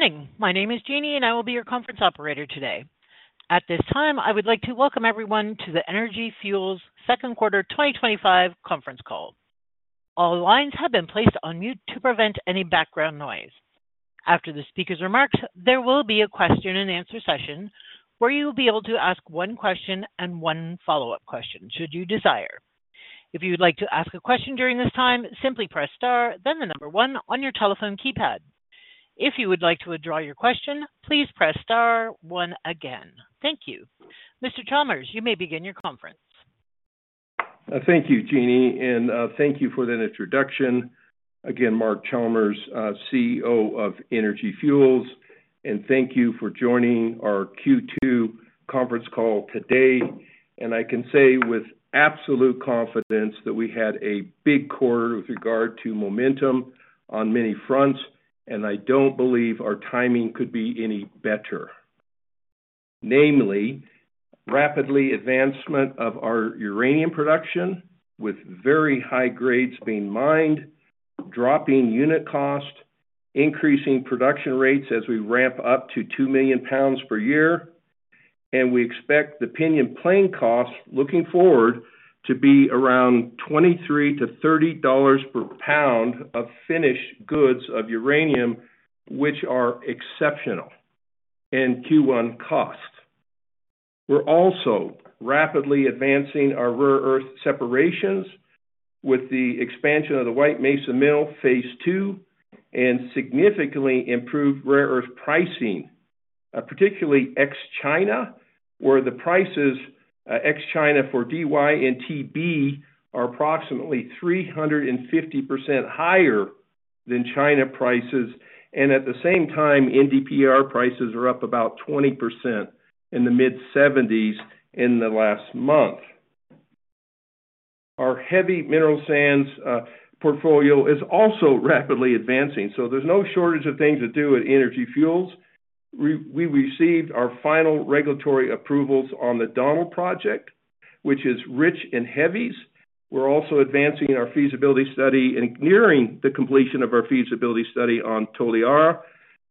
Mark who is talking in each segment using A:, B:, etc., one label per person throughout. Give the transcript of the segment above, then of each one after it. A: Morning. My name is Jeannie, and I will be your conference operator today. At this time, I would like to welcome everyone to the Energy Fuels Second Quarter 2025 Conference Call. All lines have been placed on mute to prevent any background noise. After the speaker's remarks, there will be a question and answer session where you will be able to ask one question and one follow-up question should you desire. If you would like to ask a question during this time, simply press star, then the number one on your telephone keypad. If you would like to withdraw your question, please press star one again. Thank you. Mr. Chalmers, you may begin your conference.
B: Thank you, Jeannie, and thank you for that introduction. Again, Mark Chalmers, CEO of Energy Fuels, and thank you for joining our Q2 conference call today. I can say with absolute confidence that we had a big quarter with regard to momentum on many fronts, and I don't believe our timing could be any better. Namely, rapidly advancing our uranium production with very high grades being mined, dropping unit costs, increasing production rates as we ramp up to 2 million pounds per year, and we expect the Pinyon Plain cost looking forward to be around $23-$30 per pound of finished goods of uranium, which are exceptional and Q1 cost. We're also rapidly advancing our rare earth separations with the expansion of the White Mesa Mill phase II and significantly improved rare earth pricing, particularly ex-China, where the prices ex-China for Dy and Tb are approximately 350% higher than China prices. At the same time, NdPr prices are up about 20% in the mid-$70s in the last month. Our heavy mineral sands portfolio is also rapidly advancing, so there's no shortage of things to do at Energy Fuels. We received our final regulatory approvals on the Donald Project, which is rich in heavies. We're also advancing our feasibility study and nearing the completion of our feasibility study on Toliara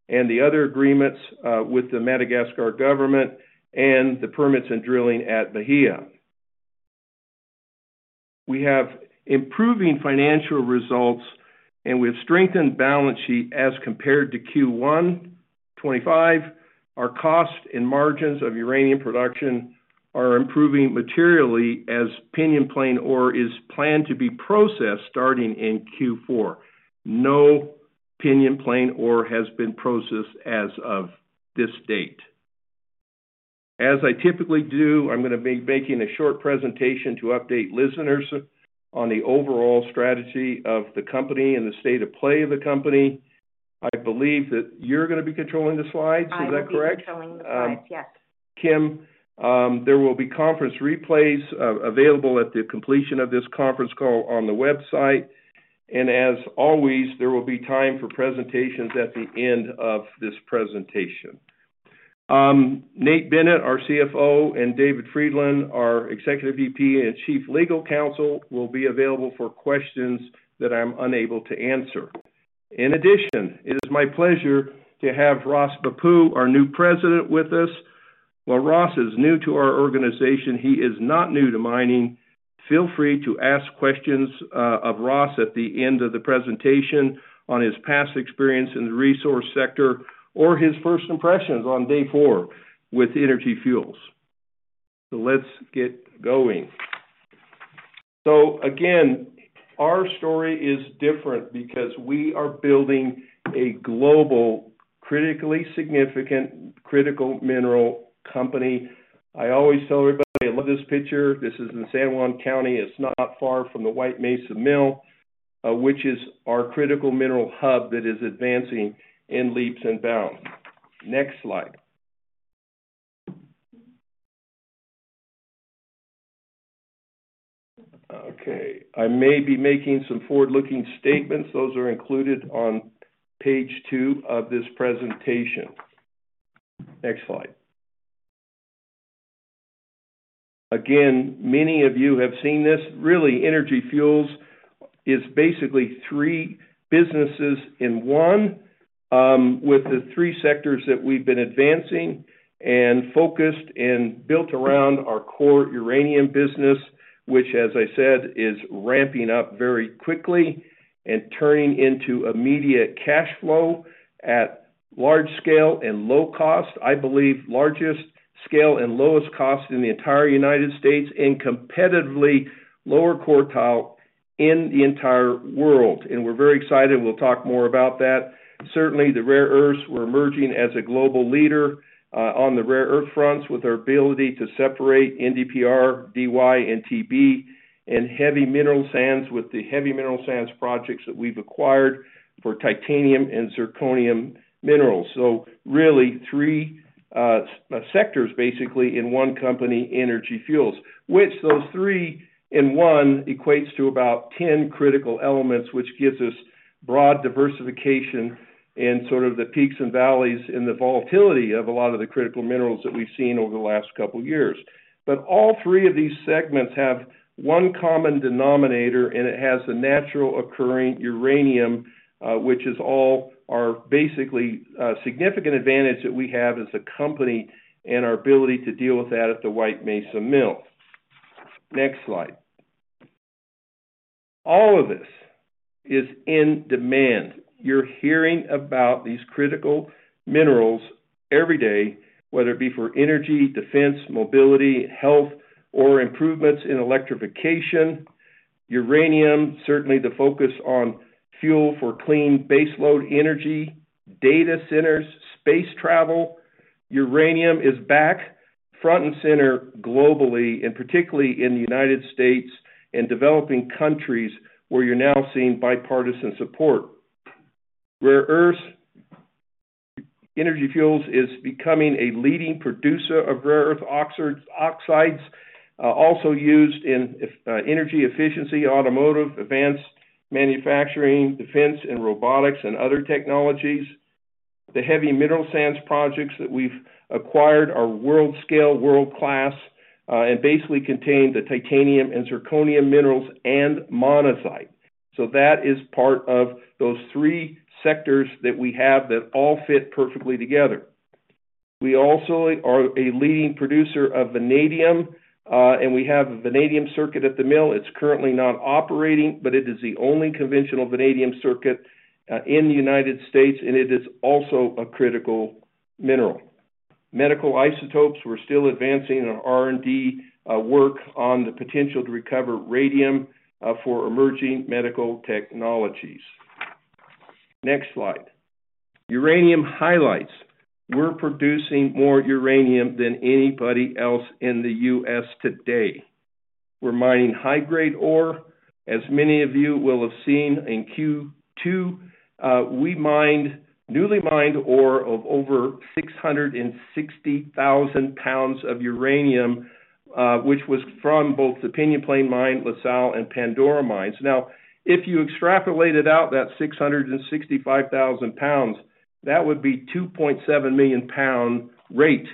B: and the other agreements with the Madagascar government and the permits and drilling at Bahia. We have improving financial results, and we have a strengthened balance sheet as compared to Q1 2025. Our cost and margins of uranium production are improving materially as Pinyon Plain ore is planned to be processed starting in Q4. No Pinyon Plain ore has been processed as of this date. As I typically do, I'm going to be making a short presentation to update listeners on the overall strategy of the company and the state of play of the company. I believe that you're going to be controlling the slides. Is that correct?
A: I'll be controlling the slides, yes.
B: Kim, there will be conference replays available at the completion of this conference call on the website. As always, there will be time for presentations at the end of this presentation. Nate Bennett, our CFO, and David Frydenlund, our Executive VP and Chief Legal Counsel, will be available for questions that I'm unable to answer. In addition, it is my pleasure to have Ross Bhappu, our new President, with us. While Ross is new to our organization, he is not new to mining. Feel free to ask questions of Ross at the end of the presentation on his past experience in the resource sector or his first impressions on day four with Energy Fuels. Let's get going. Again, our story is different because we are building a global, critically significant critical mineral company. I always tell everybody, I love this picture. This is in San Juan County. It's not far from the White Mesa Mill, which is our critical mineral hub that is advancing in leaps and bounds. Next slide. I may be making some forward-looking statements. Those are included on page two of this presentation. Next slide. Many of you have seen this. Really, Energy Fuels is basically three businesses in one, with the three sectors that we've been advancing and focused and built around our core uranium business, which, as I said, is ramping up very quickly and turning into immediate cash flow at large scale and low cost. I believe largest scale and lowest cost in the entire United States and competitively lower quartile in the entire world. We're very excited, and we'll talk more about that. Certainly, the rare earths, we're emerging as a global leader on the rare earth fronts with our ability to separate NdPr, Dy, and Tb, and heavy mineral sands with the heavy mineral sands projects that we've acquired for titanium and zirconium minerals. Really, three sectors basically in one company, Energy Fuels, which those three in one equate to about 10 critical elements, which gives us broad diversification in sort of the peaks and valleys in the volatility of a lot of the critical minerals that we've seen over the last couple of years. All three of these segments have one common denominator, and it has a natural occurring uranium, which is all our basically significant advantage that we have as a company and our ability to deal with that at the White Mesa Mill. Next slide. All of this is in demand. You're hearing about these critical minerals every day, whether it be for energy, defense, mobility, health, or improvements in electrification. Uranium, certainly the focus on fuel for clean baseload energy, data centers, space travel. Uranium is back front and center globally, and particularly in the United States and developing countries where you're now seeing bipartisan support. Rare earths, Energy Fuels is becoming a leading producer of rare earth oxides, also used in energy efficiency, automotive, advanced manufacturing, defense, and robotics, and other technologies. The heavy mineral sands projects that we've acquired are world scale, world class, and basically contain the titanium and zirconium minerals and monazite. That is part of those three sectors that we have that all fit perfectly together. We also are a leading producer of vanadium, and we have a vanadium circuit at the mill. It's currently not operating, but it is the only conventional vanadium circuit in the United States, and it is also a critical mineral. Medical isotopes, we're still advancing in our R&D work on the potential to recover radium for emerging medical technologies. Next slide. Uranium highlights. We're producing more uranium than anybody else in the U.S. today. We're mining high-grade ore, as many of you will have seen in Q2. We mined newly mined ore of over 660,000 pounds of uranium, which was from both the Pinyon Plain mine, La Sal, and Pandora mines. If you extrapolated out that 665,000 pounds, that would be a 2.7 million pound rate.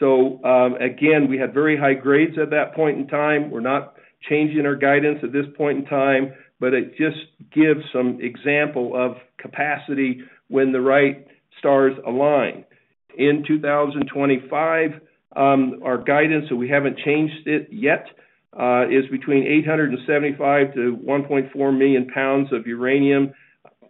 B: We had very high grades at that point in time. We're not changing our guidance at this point in time, but it just gives some example of capacity when the right stars align. In 2025, our guidance, so we haven't changed it yet, is between 875,000-1.4 million pounds of uranium,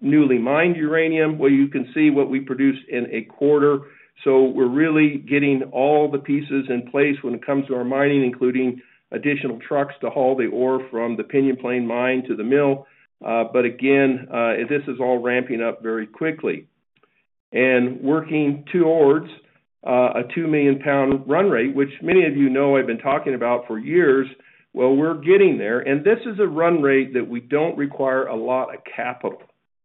B: newly mined uranium, where you can see what we produce in a quarter. We're really getting all the pieces in place when it comes to our mining, including additional trucks to haul the ore from the Pinyon Plain mine to the mill. This is all ramping up very quickly. We're working towards a 2 million pound run rate, which many of you know I've been talking about for years, we're getting there. This is a run rate that we don't require a lot of capital.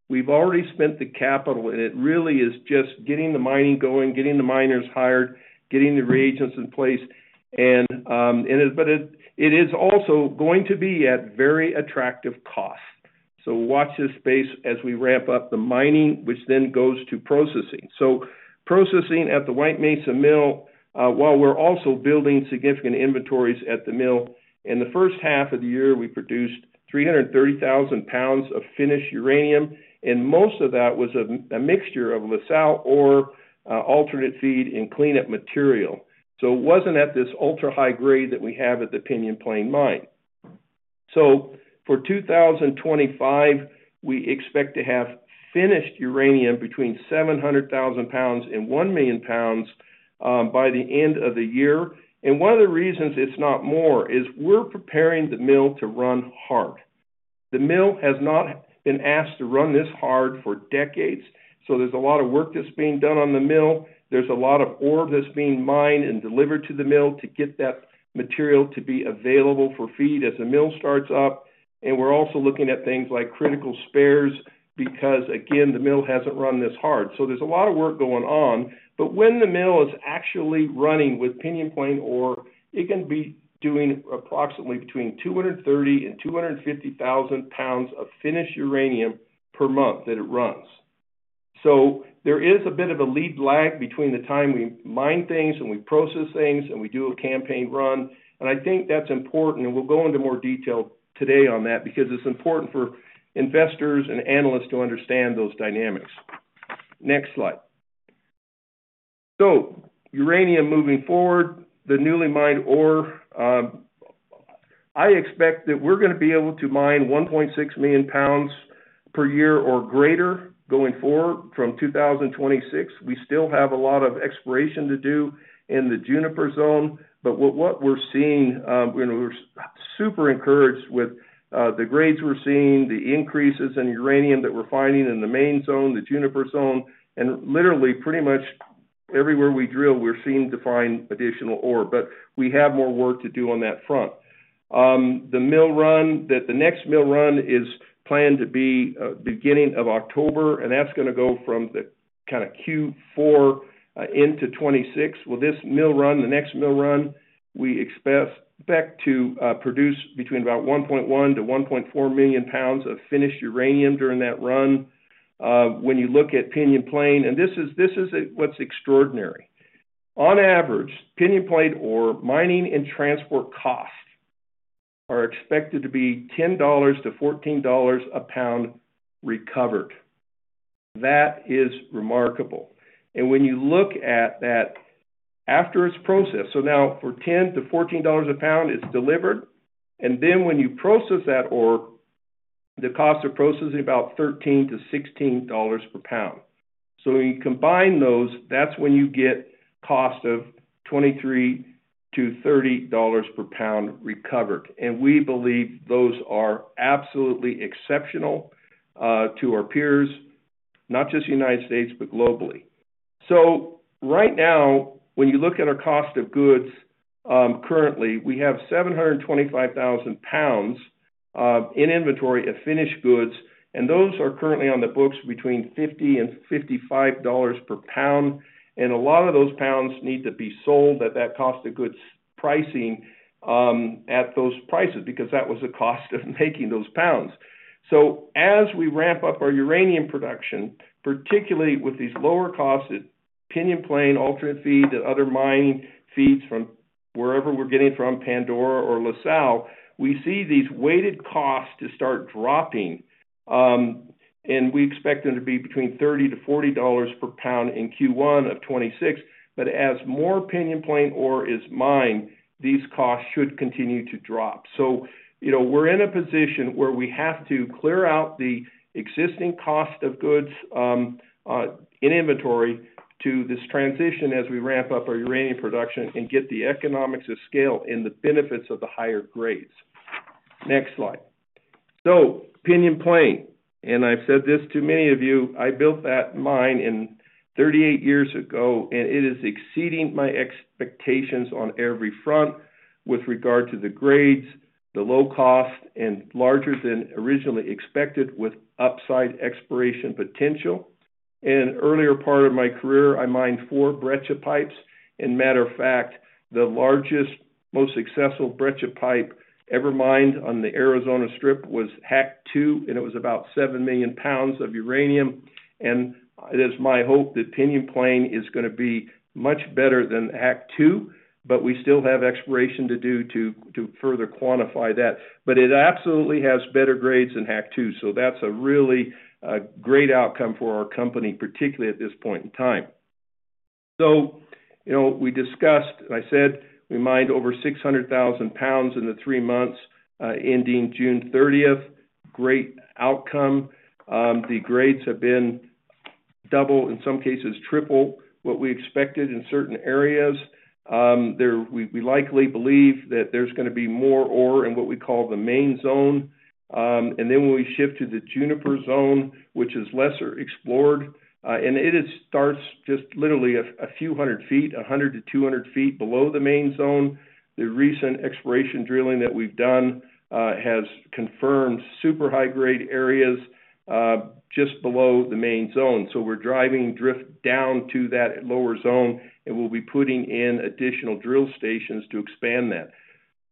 B: We've already spent the capital, and it really is just getting the mining going, getting the miners hired, getting the reagents in place. It is also going to be at very attractive costs. Watch this space as we ramp up the mining, which then goes to processing. Processing at the White Mesa Mill, while we're also building significant inventories at the mill. In the first half of the year, we produced 330,000 pounds of finished uranium, and most of that was a mixture of La Sal ore, alternate feed, and cleanup material. It wasn't at this ultra high grade that we have at the Pinyon Plain mine. For 2025, we expect to have finished uranium between 700,000 pounds and 1 million pounds by the end of the year. One of the reasons it's not more is we're preparing the mill to run hard. The mill has not been asked to run this hard for decades. There's a lot of work that's being done on the mill. There's a lot of ore that's being mined and delivered to the mill to get that material to be available for feed as the mill starts up. We're also looking at things like critical spares because, again, the mill hasn't run this hard. There's a lot of work going on. When the mill is actually running with Pinyon Plain ore, it can be doing approximately between 230,000 pounds and 250,000 pounds of finished uranium per month that it runs. There is a bit of a lead lag between the time we mine things and we process things and we do a campaign run. I think that's important. We'll go into more detail today on that because it's important for investors and analysts to understand those dynamics. Next slide. Uranium moving forward, the newly mined ore, I expect that we're going to be able to mine 1.6 million pounds per year or greater going forward from 2026. We still have a lot of exploration to do in the Juniper Zone, but what we're seeing, we're super encouraged with the grades we're seeing, the increases in uranium that we're finding in the main zone, the Juniper Zone, and literally pretty much everywhere we drill, we're seeing to find additional ore. We have more work to do on that front. The next mill run is planned to be the beginning of October, and that's going to go from Q4 into 2026. This mill run, the next mill run, we expect to produce between about 1.1 million pounds-1.4 million pounds of finished uranium during that run. When you look at Pinyon Plain, and this is what's extraordinary. On average, Pinion Plain ore mining and transport costs are expected to be $10-$14 a pound recovered. That is remarkable. When you look at that after it's processed, for $10-$14 per pound, it's delivered. When you process that ore, the cost of processing is about $13-$16 per pound. When you combine those, that's when you get cost of $23-$30 per pound recovered. We believe those are absolutely exceptional to our peers, not just in the United States, but globally. Right now, when you look at our cost of goods, currently, we have 725,000 pounds in inventory of finished goods, and those are currently on the books between $50 and $55 per pound. A lot of those pounds need to be sold at that cost of goods pricing at those prices because that was the cost of making those pounds. As we ramp up our uranium production, particularly with these lower costs at Pinyon Plain, alternate feed, and other mining feeds from wherever we're getting it from, Pandora or La Sal, we see these weighted costs start dropping. We expect them to be between $30-$40 per pound in Q1 of 2026. As more Pinyon Plain ore is mined, these costs should continue to drop. We are in a position where we have to clear out the existing cost of goods in inventory to this transition as we ramp up our uranium production and get the economics of scale and the benefits of the higher grades. Next slide. Pinyon Plain, and I've said this to many of you, I built that mine 38 years ago, and it is exceeding my expectations on every front with regard to the grades, the low cost, and larger than originally expected with upside exploration potential. In an earlier part of my career, I mined four breccia pipes. As a matter of fact, the largest, most successful breccia pipe ever mined on the Arizona Strip was Hack 2, and it was about 7 million pounds of uranium. It is my hope that Pinyon Plain is going to be much better than Hack 2, but we still have exploration to do to further quantify that. It absolutely has better grades than Hack 2. That's a really great outcome for our company, particularly at this point in time. We discussed, I said, we mined over 600,000 pounds in the three months ending June 30th. Great outcome. The grades have been double, in some cases triple, what we expected in certain areas. We likely believe that there's going to be more ore in what we call the main zone. When we shift to the Juniper Zone, which is lesser explored, and it starts just literally a few hundred feet, 100-200 feet below the main zone. The recent exploration drilling that we've done has confirmed super high-grade areas just below the main zone. We're driving drift down to that lower zone, and we'll be putting in additional drill stations to expand that.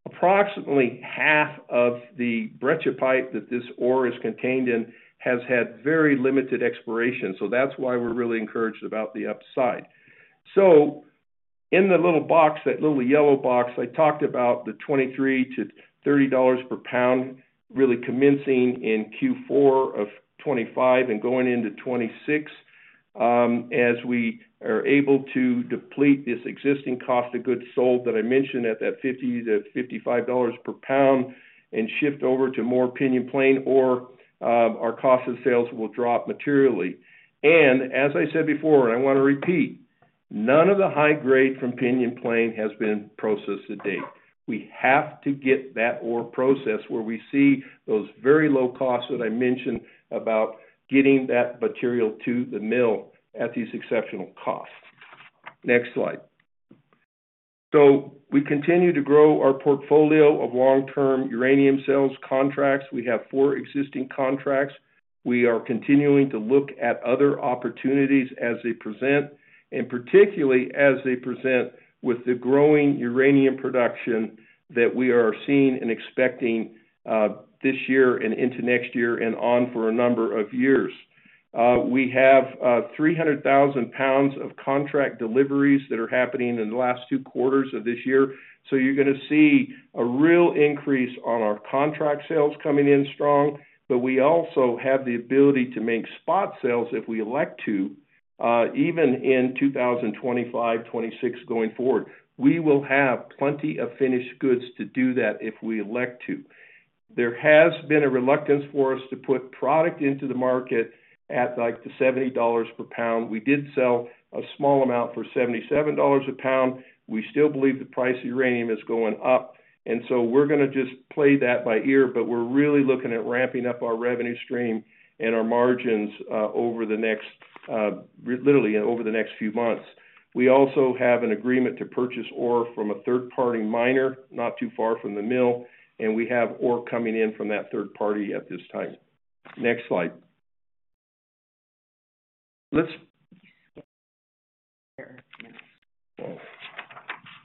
B: Approximately half of the breccia pipe that this ore is contained in has had very limited exploration. That's why we're really encouraged about the upside. In the little box, that little yellow box, I talked about the $23-$30 per pound really commencing in Q4 of 2025 and going into 2026. As we are able to deplete this existing cost of goods sold that I mentioned at that $50-$55 per pound and shift over to more Pinyon Plain ore, our cost of sales will drop materially. As I said before, and I want to repeat, none of the high grade from Pinyon Plain has been processed to date. We have to get that ore processed where we see those very low costs that I mentioned about getting that material to the mill at these exceptional costs. Next slide. We continue to grow our portfolio of long-term uranium sales contracts. We have four existing contracts. We are continuing to look at other opportunities as they present, particularly as they present with the growing uranium production that we are seeing and expecting this year and into next year and on for a number of years. We have 300,000 pounds of contract deliveries that are happening in the last two quarters of this year. You're going to see a real increase on our contract sales coming in strong, but we also have the ability to make spot sales if we elect to, even in 2025, 2026 going forward. We will have plenty of finished goods to do that if we elect to. There has been a reluctance for us to put product into the market at like the $70 per pound. We did sell a small amount for $77 per pound. We still believe the price of uranium is going up. We're going to just play that by ear, but we're really looking at ramping up our revenue stream and our margins over the next, literally over the next few months. We also have an agreement to purchase ore from a third-party miner not too far from the mill, and we have ore coming in from that third party at this time. Next slide. Did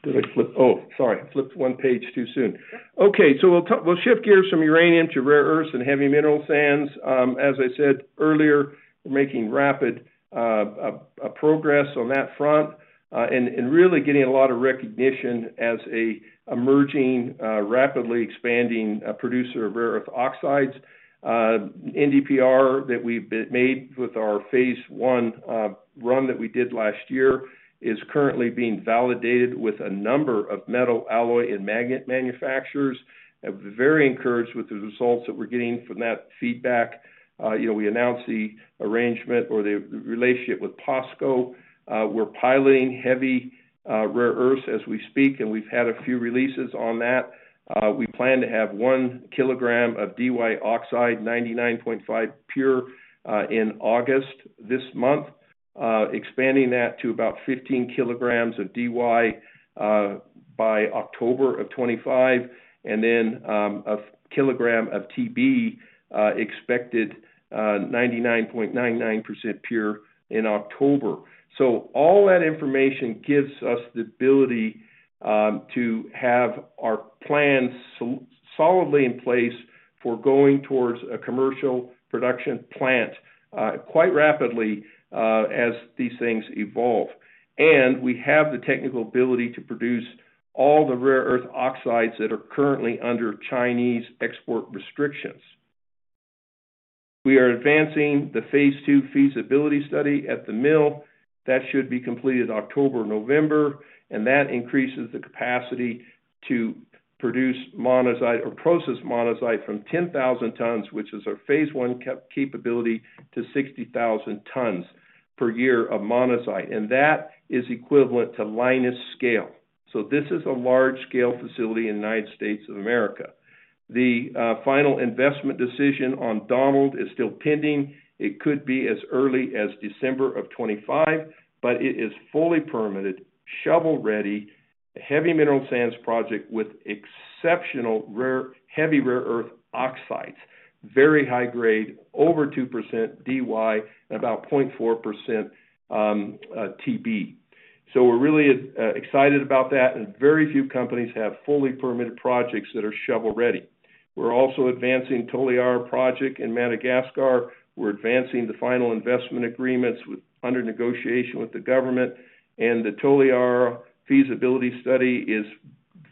B: I flip? Oh, sorry, I flipped one page too soon. Okay. We'll shift gears from uranium to rare earths and heavy mineral sands. As I said earlier, we're making rapid progress on that front and really getting a lot of recognition as an emerging, rapidly expanding producer of rare earth oxides. NdPr that we've made with our phase one run that we did last year is currently being validated with a number of metal alloy and magnet manufacturers. I'm very encouraged with the results that we're getting from that feedback. You know, we announced the arrangement or the relationship with POSCO. We're piloting heavy rare earths as we speak, and we've had a few releases on that. We plan to have 1 kg of Dy oxide, 99.5% pure, in August this month, expanding that to about 15 kg of Dy by October of 2025, and then 1 kg of Tb expected, 99.99% pure in October. All that information gives us the ability to have our plans solidly in place for going towards a commercial production plant quite rapidly as these things evolve. We have the technical ability to produce all the rare earth oxides that are currently under Chinese export restrictions. We are advancing the phase II feasibility study at the mill. That should be completed in October or November, and that increases the capacity to produce monazite or process monazite from 10,000 tons, which is our phase one capability, to 60,000 tons per year of monazite. That is equivalent to Lynas scale. This is a large-scale facility in the United States of America. The final investment decision on Donald is still pending. It could be as early as December of 2025, but it is fully permitted, shovel-ready, a heavy mineral sands project with exceptional heavy rare earth oxides, very high grade, over 2% Dy, about 0.4% Tb. We're really excited about that, and very few companies have fully permitted projects that are shovel-ready. We're also advancing the Toliara Project in Madagascar. We're advancing the final investment agreements under negotiation with the government. The Toliara feasibility study is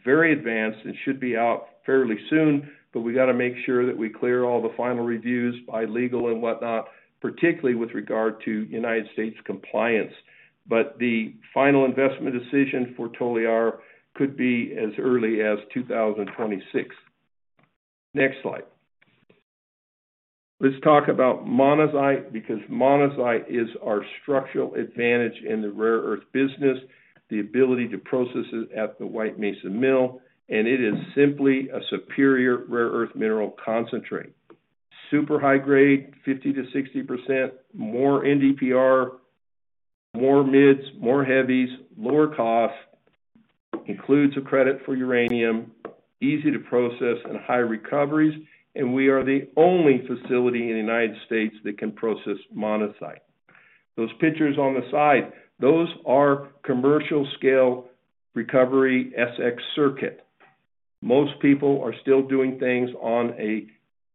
B: very advanced and should be out fairly soon, but we have to make sure that we clear all the final reviews by legal and whatnot, particularly with regard to United States compliance. The final investment decision for Toliara could be as early as 2026. Next slide. Let's talk about monazite because monazite is our structural advantage in the rare earth business, the ability to process it at the White Mesa Mill, and it is simply a superior rare earth mineral concentrate. Super high grade, 50%-60%, more NdPr, more mids, more heavies, lower cost, includes a credit for uranium, easy to process, and high recoveries. We are the only facility in the United States that can process monazite. Those pictures on the side, those are commercial scale recovery SX circuit. Most people are still doing things on a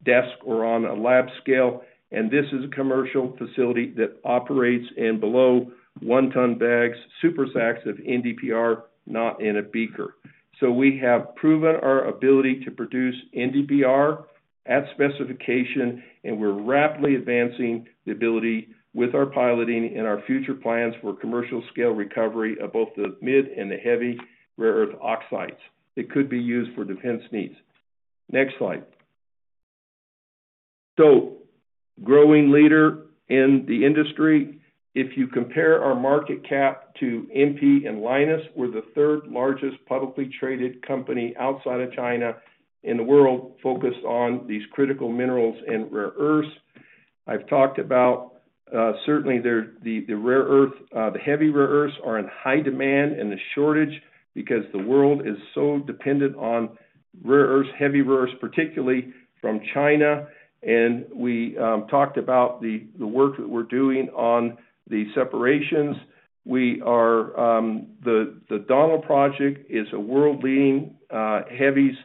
B: desk or on a lab scale, and this is a commercial facility that operates in below one-ton bags, super sacks of NdPr, not in a beaker. We have proven our ability to produce NdPr at specification, and we're rapidly advancing the ability with our piloting and our future plans for commercial scale recovery of both the mid and the heavy rare earth oxides that could be used for defense needs. Next slide. Growing leader in the industry. If you compare our market cap to MP and Lynas, we're the third largest publicly traded company outside of China in the world focused on these critical minerals and rare earths. I've talked about, certainly, the rare earth, the heavy rare earths are in high demand and the shortage because the world is so dependent on rare earths, heavy rare earths, particularly from China. We talked about the work that we're doing on the separations. The Donald Project is a world-leading heavies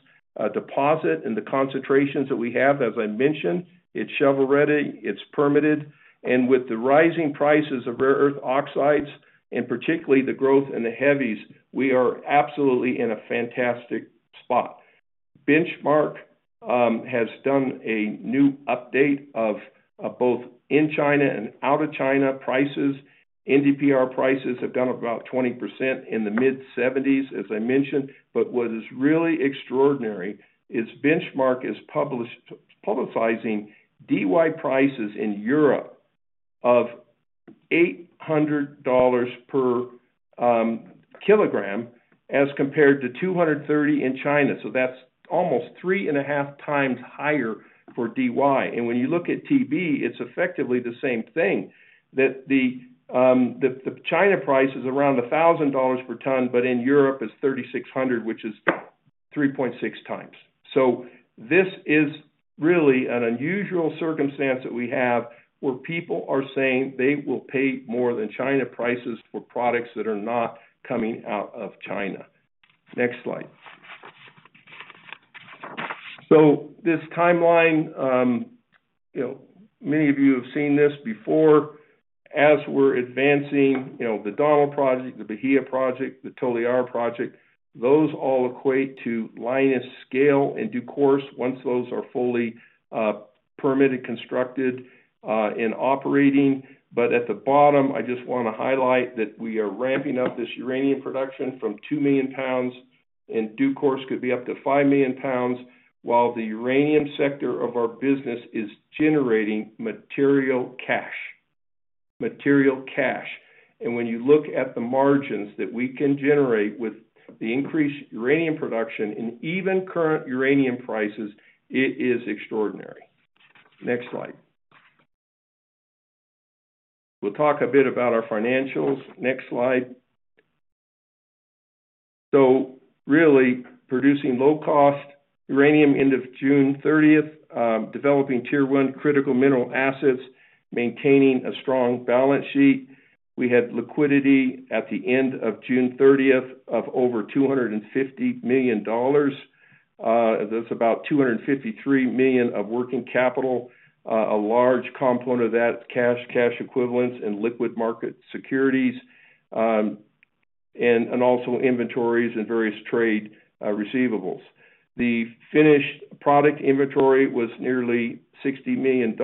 B: deposit in the concentrations that we have. As I mentioned, it's shovel-ready, it's permitted, and with the rising prices of rare earth oxides, and particularly the growth in the heavies, we are absolutely in a fantastic spot. Benchmark has done a new update of both in China and out of China prices. NdPr prices have gone up about 20% in the mid-$70s, as I mentioned. What is really extraordinary is Benchmark is publicizing Dy prices in Europe of $800 per kilogram as compared to $230 in China. That's almost 3.5x higher for Dy. When you look at Tb, it's effectively the same thing. The China price is around $1,000 per ton, but in Europe, it's $3,600, which is 3.6x. This is really an unusual circumstance that we have where people are saying they will pay more than China prices for products that are not coming out of China. Next slide. This timeline, many of you have seen this before. As we're advancing the Donald Project, the Bahia Project, the Toliara Project, those all equate to Lynas scale in due course once those are fully permitted, constructed, and operating. At the bottom, I just want to highlight that we are ramping up this uranium production from 2 million pounds, and in due course could be up to 5 million pounds, while the uranium sector of our business is generating material cash. Material cash. When you look at the margins that we can generate with the increased uranium production and even current uranium prices, it is extraordinary. Next slide. We'll talk a bit about our financials. Next slide. Really producing low-cost uranium end of June 30, developing tier one critical mineral assets, maintaining a strong balance sheet. We had liquidity at the end of June 30 of over $250 million. That's about $253 million of working capital. A large component of that is cash, cash equivalents, and liquid market securities, and also inventories and various trade receivables. The finished product inventory was nearly $60 million,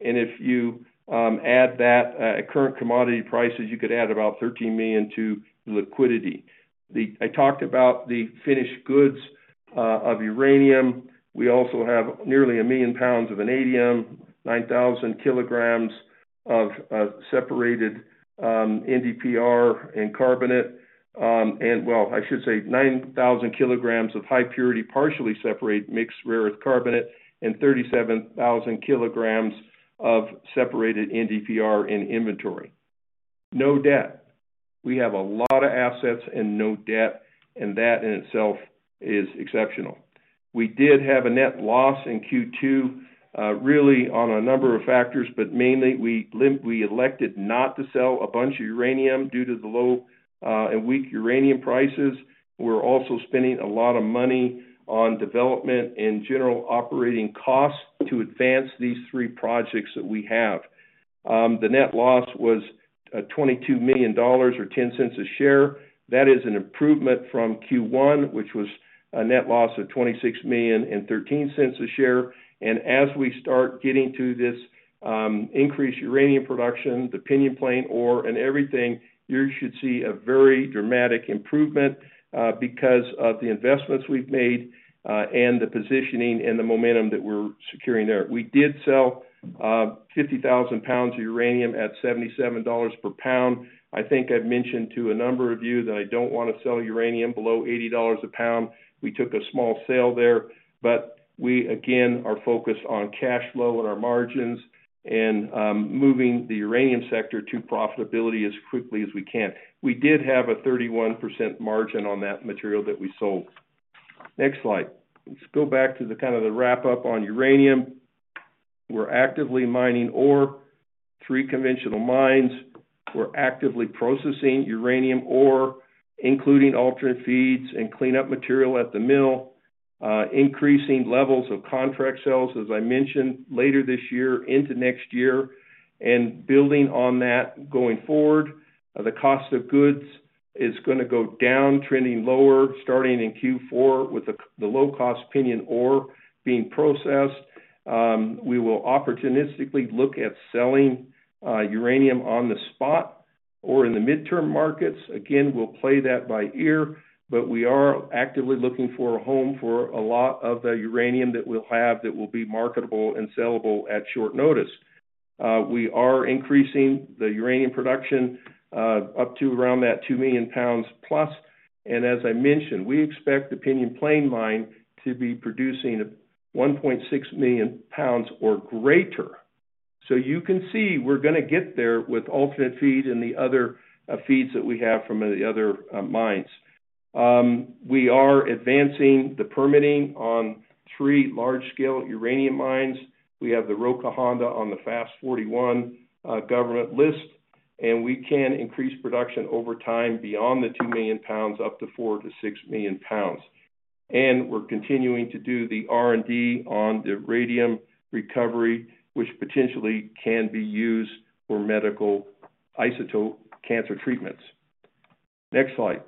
B: and if you add that at current commodity prices, you could add about $13 million to liquidity. I talked about the finished goods of uranium. We also have nearly a million pounds of vanadium, 9,000 kg of separated NdPr and carbonate. I should say 9,000 kg of high purity partially separated mixed rare earth carbonate, and 37,000 kg of separated NdPr in inventory. No debt. We have a lot of assets and no debt, and that in itself is exceptional. We did have a net loss in Q2, really on a number of factors, but mainly we elected not to sell a bunch of uranium due to the low and weak uranium prices. We're also spending a lot of money on development and general operating costs to advance these three projects that we have. The net loss was $22 million or $0.10 a share. That is an improvement from Q1, which was a net loss of $26 million and $0.13 a share. As we start getting to this increased uranium production, the Pinion Plain ore, and everything, you should see a very dramatic improvement because of the investments we've made and the positioning and the momentum that we're securing there. We did sell 50,000 pounds of uranium at $77 per pound. I think I've mentioned to a number of you that I don't want to sell uranium below $80 a pound. We took a small sale there, but we again are focused on cash flow and our margins and moving the uranium sector to profitability as quickly as we can. We did have a 31% margin on that material that we sold. Next slide. Let's go back to the kind of the wrap-up on uranium. We're actively mining ore, three conventional mines. We're actively processing uranium ore, including alternate feeds and cleanup material at the mill, increasing levels of contract sales, as I mentioned, later this year into next year, and building on that going forward. The cost of goods is going to go down, trending lower, starting in Q4 with the low-cost Pinyon ore being processed. We will opportunistically look at selling uranium on the spot or in the midterm markets. Again, we'll play that by ear, but we are actively looking for a home for a lot of the uranium that we'll have that will be marketable and sellable at short notice. We are increasing the uranium production up to around that 2 million pounds plus. As I mentioned, we expect the Pinyon Plain mine to be producing 1.6 million pounds or greater. You can see we're going to get there with alternate feed and the other feeds that we have from the other mines. We are advancing the permitting on three large-scale uranium mines. We have the Roca Honda on the Fast-41 government list, and we can increase production over time beyond the 2 million pounds up to 4 million-6 million pounds. We're continuing to do the R&D on the radium recovery, which potentially can be used for medical isotope cancer treatments. Next slide.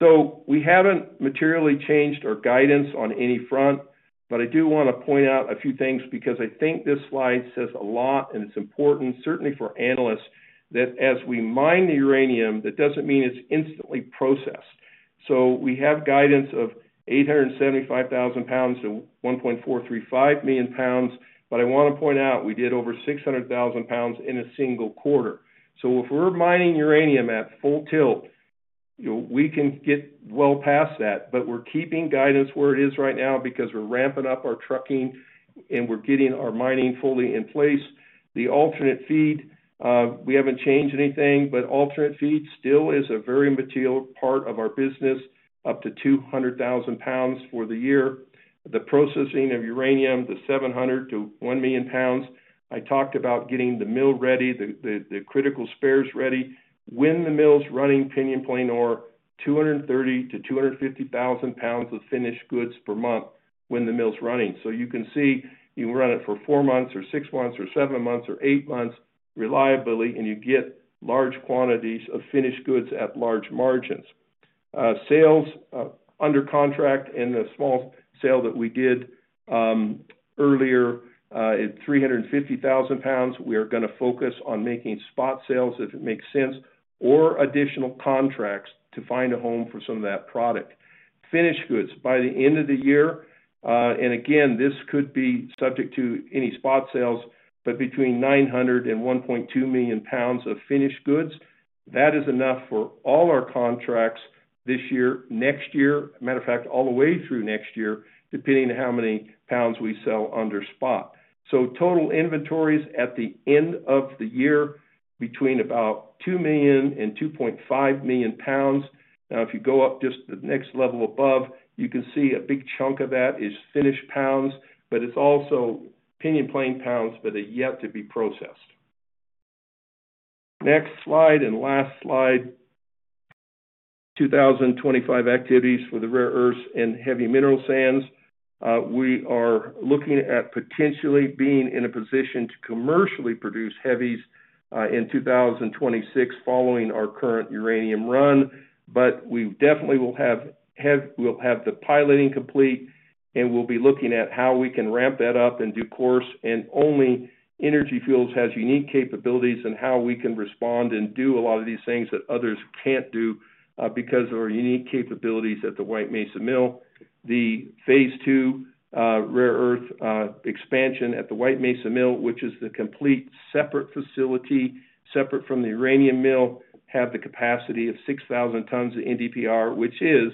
B: We haven't materially changed our guidance on any front, but I do want to point out a few things because I think this slide says a lot, and it's important, certainly for analysts, that as we mine the uranium, that doesn't mean it's instantly processed. We have guidance of 875,000 pounds to 1.435 million pounds, but I want to point out we did over 600,000 pounds in a single quarter. If we're mining uranium at full tilt, you know we can get well past that, but we're keeping guidance where it is right now because we're ramping up our trucking and we're getting our mining fully in place. The alternate feed, we haven't changed anything, but alternate feed still is a very material part of our business, up to 200,000 pounds for the year. The processing of uranium to 700,000 to 1 million pounds. I talked about getting the mill ready, the critical spares ready. When the mill's running Pinyon Plain ore, 230,000 to 250,000 pounds of finished goods per month when the mill's running. You can see you can run it for four months or six months or seven months or eight months reliably, and you get large quantities of finished goods at large margins. Sales under contract in the small sale that we did earlier at 350,000 pounds, we are going to focus on making spot sales if it makes sense or additional contracts to find a home for some of that product. Finished goods by the end of the year, and again, this could be subject to any spot sales, but between 900,000 and 1.2 million pounds of finished goods, that is enough for all our contracts this year, next year, matter of fact, all the way through next year, depending on how many pounds we sell under spot. Total inventories at the end of the year between about 2 million and 2.5 million pounds. Now, if you go up just the next level above, you can see a big chunk of that is finished pounds, but it's also Pinyon Plain pounds that are yet to be processed. Next slide and last slide, 2025 activities for the rare earths and heavy mineral sands. We are looking at potentially being in a position to commercially produce heavies in 2026 following our current uranium run, but we definitely will have the piloting complete, and we'll be looking at how we can ramp that up and do course, and only Energy Fuels has unique capabilities and how we can respond and do a lot of these things that others can't do because of our unique capabilities at the White Mesa Mill. The phase II rare earth expansion at the White Mesa Mill, which is the complete separate facility, separate from the uranium mill, has the capacity of 6,000 tons of NdPr, which is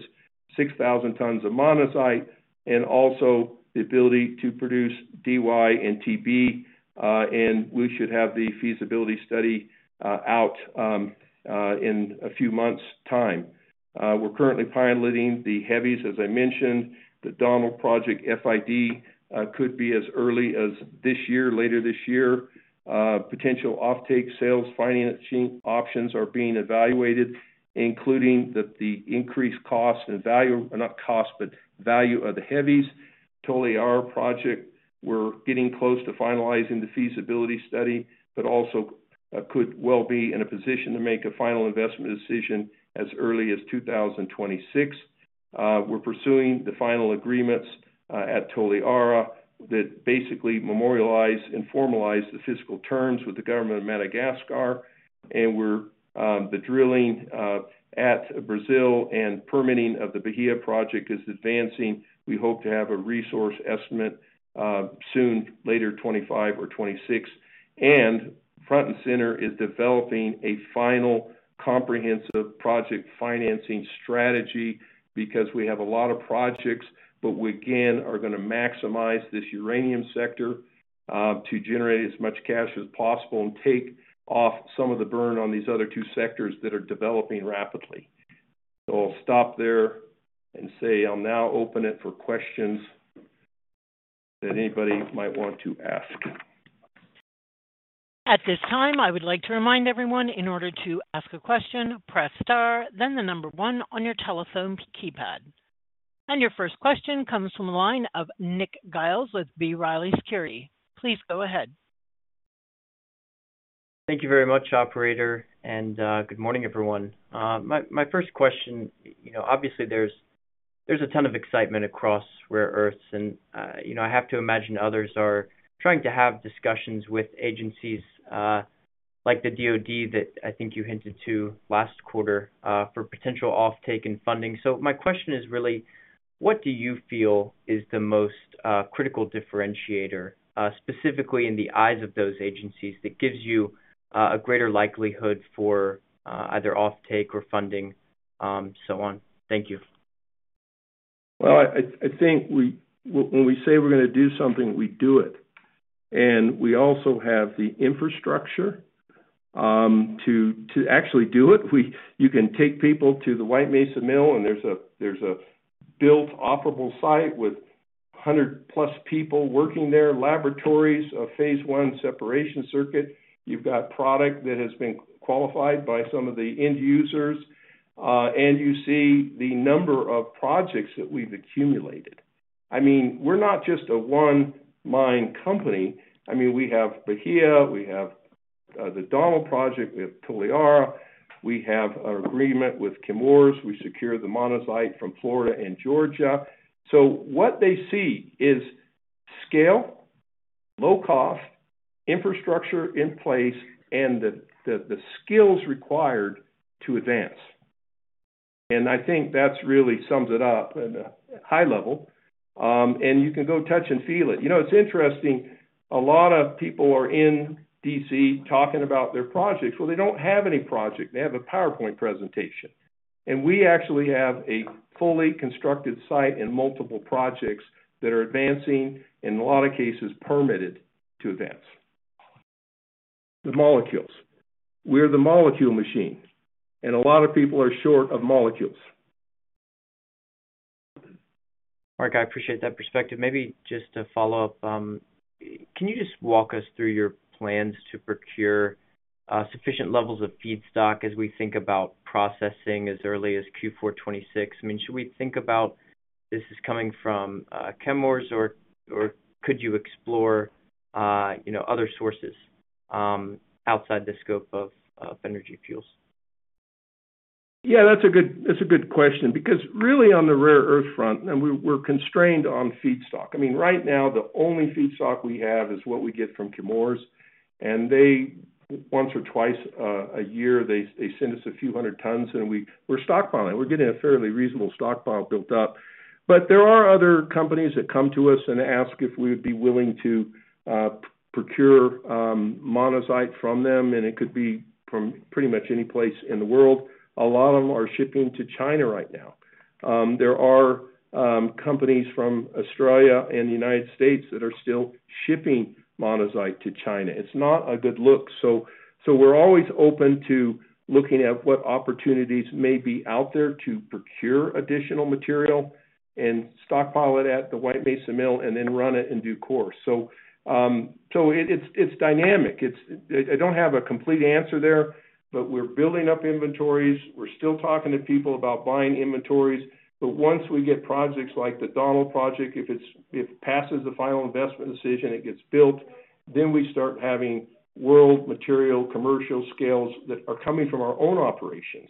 B: 6,000 tons of monazite, and also the ability to produce Dy and Tb, and we should have the feasibility study out in a few months' time. We're currently piloting the heavies, as I mentioned. The Donald Project FID could be as early as this year, later this year. Potential offtake sales financing options are being evaluated, including the increased cost and value, not cost, but value of the heavies. Toliara Project, we're getting close to finalizing the feasibility study, but also could well be in a position to make a final investment decision as early as 2026. We're pursuing the final agreements at Toliara that basically memorialize and formalize the fiscal terms with the government of Madagascar, and the drilling at Brazil and permitting of the Bahia Project is advancing. We hope to have a resource estimate soon, later 2025 or 2026. Front and center is developing a final comprehensive project financing strategy because we have a lot of projects, but we again are going to maximize this uranium sector to generate as much cash as possible and take off some of the burn on these other two sectors that are developing rapidly. I'll stop there and say I'll now open it for questions that anybody might want to ask.
A: At this time, I would like to remind everyone, in order to ask a question, press star, then the number one on your telephone keypad. Your first question comes from a line of Nick Giles with B. Riley Securities. Please go ahead.
C: Thank you very much, operator, and good morning, everyone. My first question, you know, obviously there's a ton of excitement across rare earths, and you know I have to imagine others are trying to have discussions with agencies like the DOD that I think you hinted to last quarter for potential offtake and funding. My question is really, what do you feel is the most critical differentiator, specifically in the eyes of those agencies, that gives you a greater likelihood for either offtake or funding, so on? Thank you.
B: I think when we say we're going to do something, we do it. We also have the infrastructure to actually do it. You can take people to the White Mesa Mill, and there's a built operable site with 100+ people working there, laboratories, a phase one separation circuit. You've got product that has been qualified by some of the end users, and you see the number of projects that we've accumulated. We're not just a one mine company. We have Bahia, we have the Donald Project, we have Toliara, we have our agreement with Chemours, we secure the monazite from Florida and Georgia. What they see is scale, low cost, infrastructure in place, and the skills required to advance. I think that really sums it up at a high level. You can go touch and feel it. It's interesting, a lot of people are in D.C. talking about their projects. They don't have any project. They have a PowerPoint presentation. We actually have a fully constructed site and multiple projects that are advancing and in a lot of cases permitted to advance. The molecules. We're the molecule machine. A lot of people are short of molecules.
C: Mark, I appreciate that perspective. Maybe just to follow up, can you just walk us through your plans to procure sufficient levels of feedstock as we think about processing as early as Q4 2026? I mean, should we think about this is coming from Chemours, or could you explore other sources outside the scope of Energy Fuels?
B: Yeah, that's a good question because really on the rare earth front, we're constrained on feedstock. I mean, right now, the only feedstock we have is what we get from Chemours. They once or twice a year send us a few hundred tons, and we're stockpiling. We're getting a fairly reasonable stockpile built up. There are other companies that come to us and ask if we would be willing to procure monazite from them, and it could be from pretty much any place in the world. A lot of them are shipping to China right now. There are companies from Australia and the United States that are still shipping monazite to China. It's not a good look. We're always open to looking at what opportunities may be out there to procure additional material and stockpile it at the White Mesa Mill and then run it in due course. It's dynamic. I don't have a complete answer there, but we're building up inventories. We're still talking to people about buying inventories. Once we get projects like the Donald Project, if it passes the final investment decision and gets built, we start having world material commercial scales that are coming from our own operations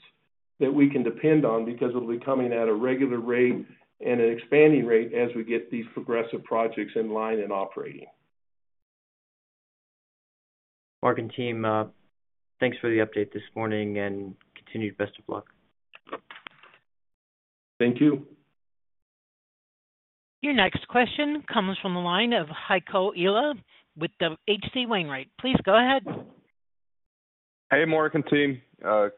B: that we can depend on because it'll be coming at a regular rate and an expanding rate as we get these progressive projects in line and operating.
C: Mark and team, thanks for the update this morning and continued best of luck.
B: Thank you.
A: Your next question comes from the line of Heiko Ihle with H.C. Wainwright. Please go ahead.
D: Hey, Mark and team.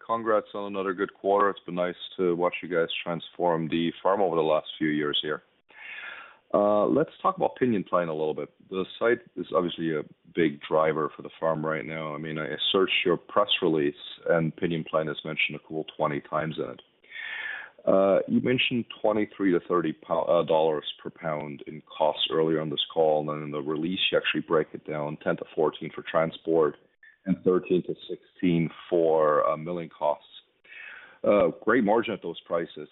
D: Congrats on another good quarter. It's been nice to watch you guys transform the firm over the last few years here. Let's talk about Pinyon Plain a little bit. The site is obviously a big driver for the firm right now. I mean, I searched your press release, and Pinyon Plain is mentioned a couple 20x in it. You mentioned $23-$30 per pound in cost earlier on this call, and then in the release, you actually break it down $10-$14 for transport and $13-$16 for milling costs. Great margin at those prices.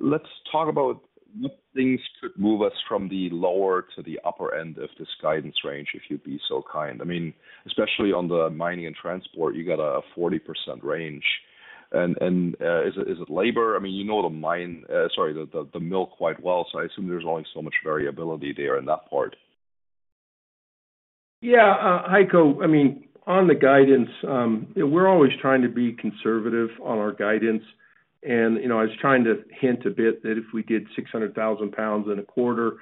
D: Let's talk about what things could move us from the lower to the upper end of this guidance range, if you'd be so kind. I mean, especially on the mining and transport, you got a 40% range. Is it labor? You know the mill quite well, so I assume there's only so much variability there in that part.
B: Yeah, Heiko, I mean, on the guidance, we're always trying to be conservative on our guidance. You know, I was trying to hint a bit that if we did 600,000 pounds in a quarter,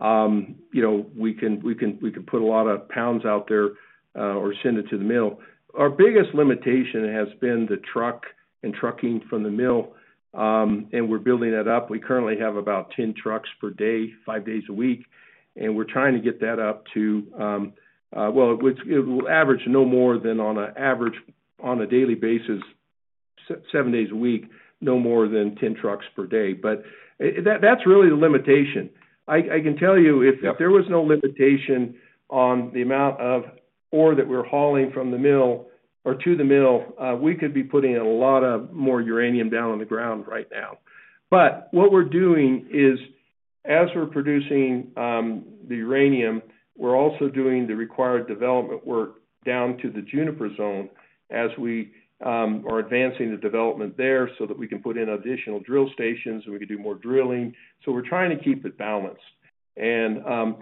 B: you know, we can put a lot of pounds out there or send it to the mill. Our biggest limitation has been the truck and trucking from the mill, and we're building that up. We currently have about 10 trucks per day, five days a week, and we're trying to get that up to, it will average no more than on an average on a daily basis, seven days a week, no more than 10 trucks per day. That's really the limitation. I can tell you if there was no limitation on the amount of ore that we're hauling from the mill or to the mill, we could be putting a lot more uranium down on the ground right now. What we're doing is as we're producing the uranium, we're also doing the required development work down to the Juniper Zone as we are advancing the development there so that we can put in additional drill stations and we can do more drilling. We're trying to keep it balanced. The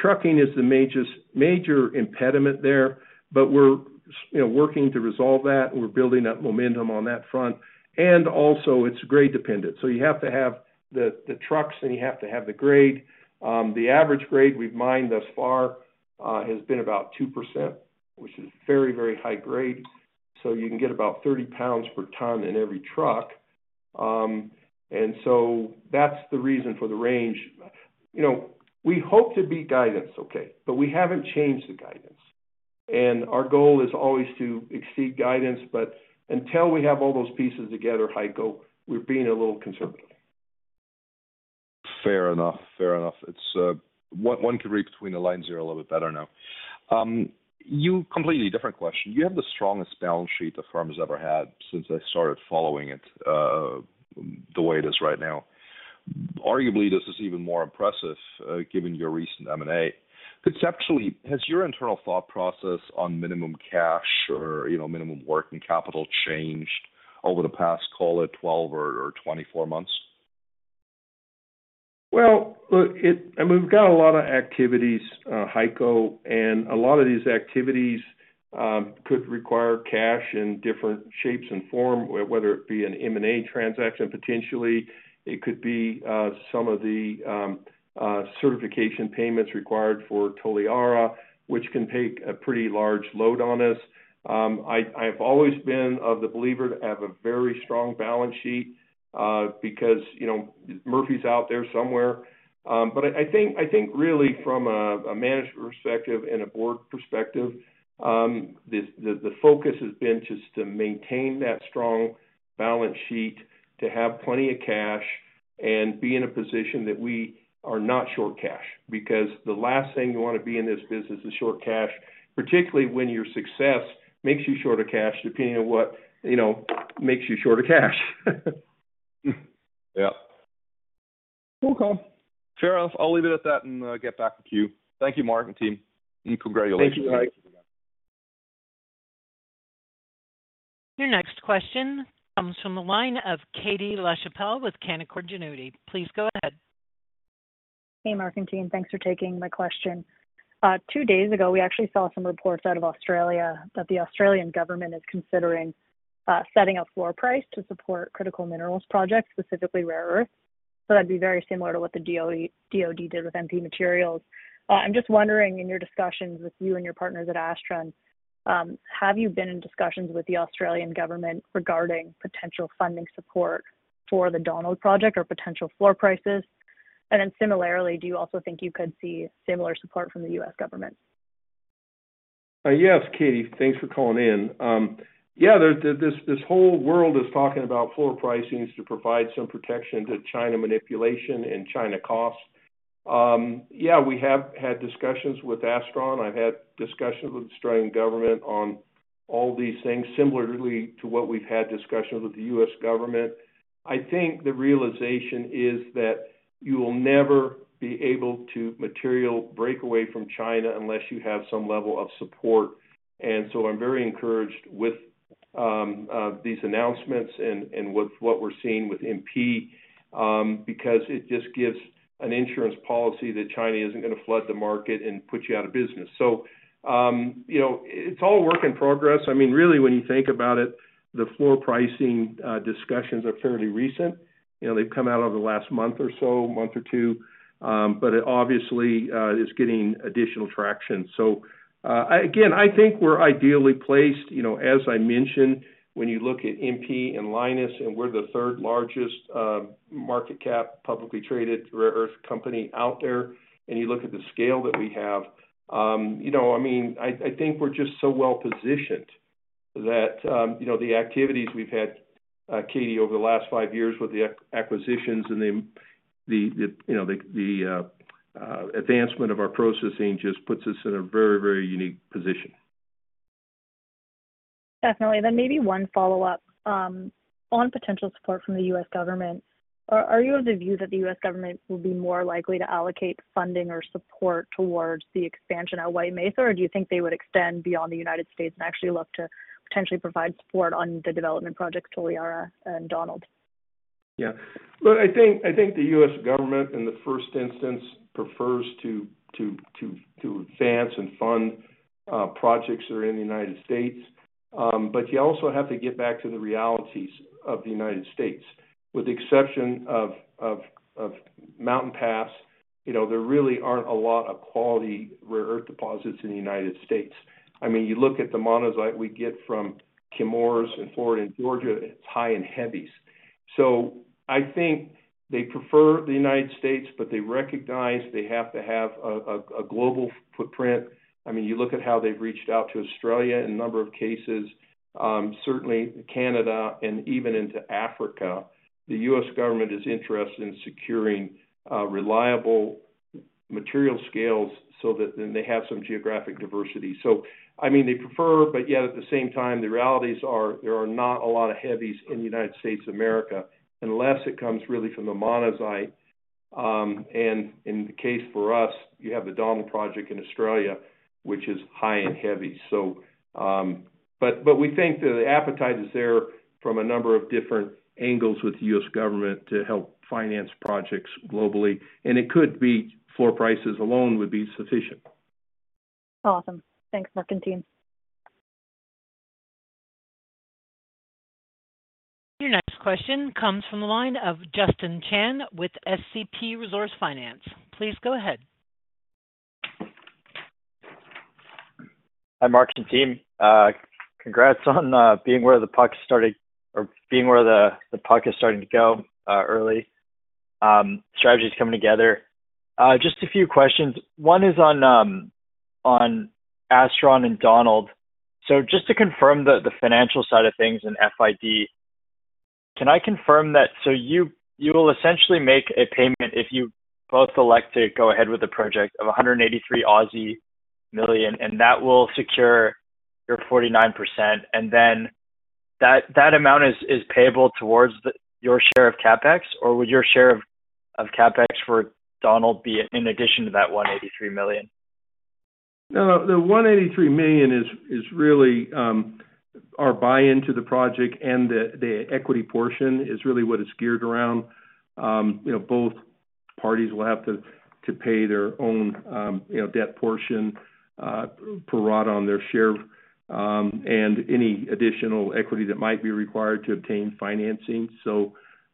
B: trucking is the major impediment there, but we're working to resolve that and we're building up momentum on that front. Also, it's grade dependent. You have to have the trucks and you have to have the grade. The average grade we've mined thus far has been about 2%, which is very, very high grade. You can get about 30 pounds per ton in every truck. That's the reason for the range. We hope to beat guidance, okay, but we haven't changed the guidance. Our goal is always to exceed guidance, but until we have all those pieces together, Heiko, we're being a little conservative.
D: Fair enough. It's one could read between the lines here a little bit better now. Completely different question. You have the strongest balance sheet the firm has ever had since I started following it the way it is right now. Arguably, this is even more impressive given your recent M&A. Conceptually, has your internal thought process on minimum cash or minimum working capital changed over the past, call it, 12 or 24 months?
B: I mean, we've got a lot of activities, Heiko, and a lot of these activities could require cash in different shapes and form, whether it be an M&A transaction potentially. It could be some of the certification payments required for Toliara, which can take a pretty large load on us. I've always been of the believer to have a very strong balance sheet because, you know, Murphy's out there somewhere. I think really from a management perspective and a board perspective, the focus has been just to maintain that strong balance sheet, to have plenty of cash, and be in a position that we are not short cash because the last thing you want to be in this business is short cash, particularly when your success makes you short of cash, depending on what, you know, makes you short of cash.
D: Yeah.
B: Okay.
D: Fair enough. I'll leave it at that and get back with you. Thank you, Mark and team. Congratulations.
B: Thank you, Heiko.
A: Your next question comes from the line of Katie Lachapelle with Canaccord Genuity. Please go ahead.
E: Hey, Mark and team, thanks for taking my question. Two days ago, we actually saw some reports out of Australia that the Australian government is considering setting up floor price to support critical minerals projects, specifically rare earth. That'd be very similar to what the DoD did with MP materials. I'm just wondering, in your discussions with you and your partners at Astron, have you been in discussions with the Australian government regarding potential funding support for the Donald Project or potential floor prices? Similarly, do you also think you could see similar support from the U.S. government?
B: Yes, Katie, thanks for calling in. Yeah, this whole world is talking about floor pricing to provide some protection to China manipulation and China costs. Yeah, we have had discussions with Astron. I've had discussions with the Australian government on all these things, similarly to what we've had discussions with the U.S. government. I think the realization is that you will never be able to materially break away from China unless you have some level of support. I am very encouraged with these announcements and what we're seeing with MP because it just gives an insurance policy that China isn't going to flood the market and put you out of business. It's all a work in progress. Really, when you think about it, the floor pricing discussions are fairly recent. They've come out over the last month or so, month or two, but it obviously is getting additional traction. I think we're ideally placed, as I mentioned, when you look at MP and Lynas, and we're the third largest market cap publicly traded rare earth company out there, and you look at the scale that we have. I think we're just so well positioned that the activities we've had, Katie, over the last five years with the acquisitions and the advancement of our processing just puts us in a very, very unique position.
E: Definitely. Maybe one follow-up on potential support from the U.S. government. Are you of the view that the U.S. government will be more likely to allocate funding or support towards the expansion at White Mesa? Do you think they would extend beyond the United States and actually look to potentially provide support on the development projects Toliara and Donald?
B: Yeah. Look, I think the U.S. government, in the first instance, prefers to advance and fund projects that are in the United States. You also have to get back to the realities of the United States. With the exception of Mountain Pass, there really aren't a lot of quality rare earth deposits in the United States. I mean, you look at the monazite we get from Chemours and Florida and Georgia, it's high in heavies. I think they prefer the United States, but they recognize they have to have a global footprint. I mean, you look at how they've reached out to Australia in a number of cases, certainly Canada, and even into Africa. The U.S. government is interested in securing reliable material scales so that they have some geographic diversity. They prefer, but yet at the same time, the realities are there are not a lot of heavies in the United States of America unless it comes really from the monazite. In the case for us, you have the Donald Project in Australia, which is high in heavies. We think that the appetite is there from a number of different angles with the U.S. government to help finance projects globally. It could be floor prices alone would be sufficient.
E: Awesome. Thanks, Mark and team.
A: Your next question comes from the line of Justin Chan with SCP Resource Finance. Please go ahead.
F: Hi, Mark and team. Congrats on being where the puck is starting to go early. Strategy is coming together. Just a few questions. One is on Astron and Donald. To confirm the financial side of things in FID, can I confirm that you will essentially make a payment if you both elect to go ahead with the project of 183 million, and that will secure your 49%. That amount is payable towards your share of CapEx, or would your share of CapEx for Donald be in addition to that 183 million?
B: No, the $183 million is really our buy-in to the project, and the equity portion is really what it's geared around. Both parties will have to pay their own debt portion per rot on their share and any additional equity that might be required to obtain financing.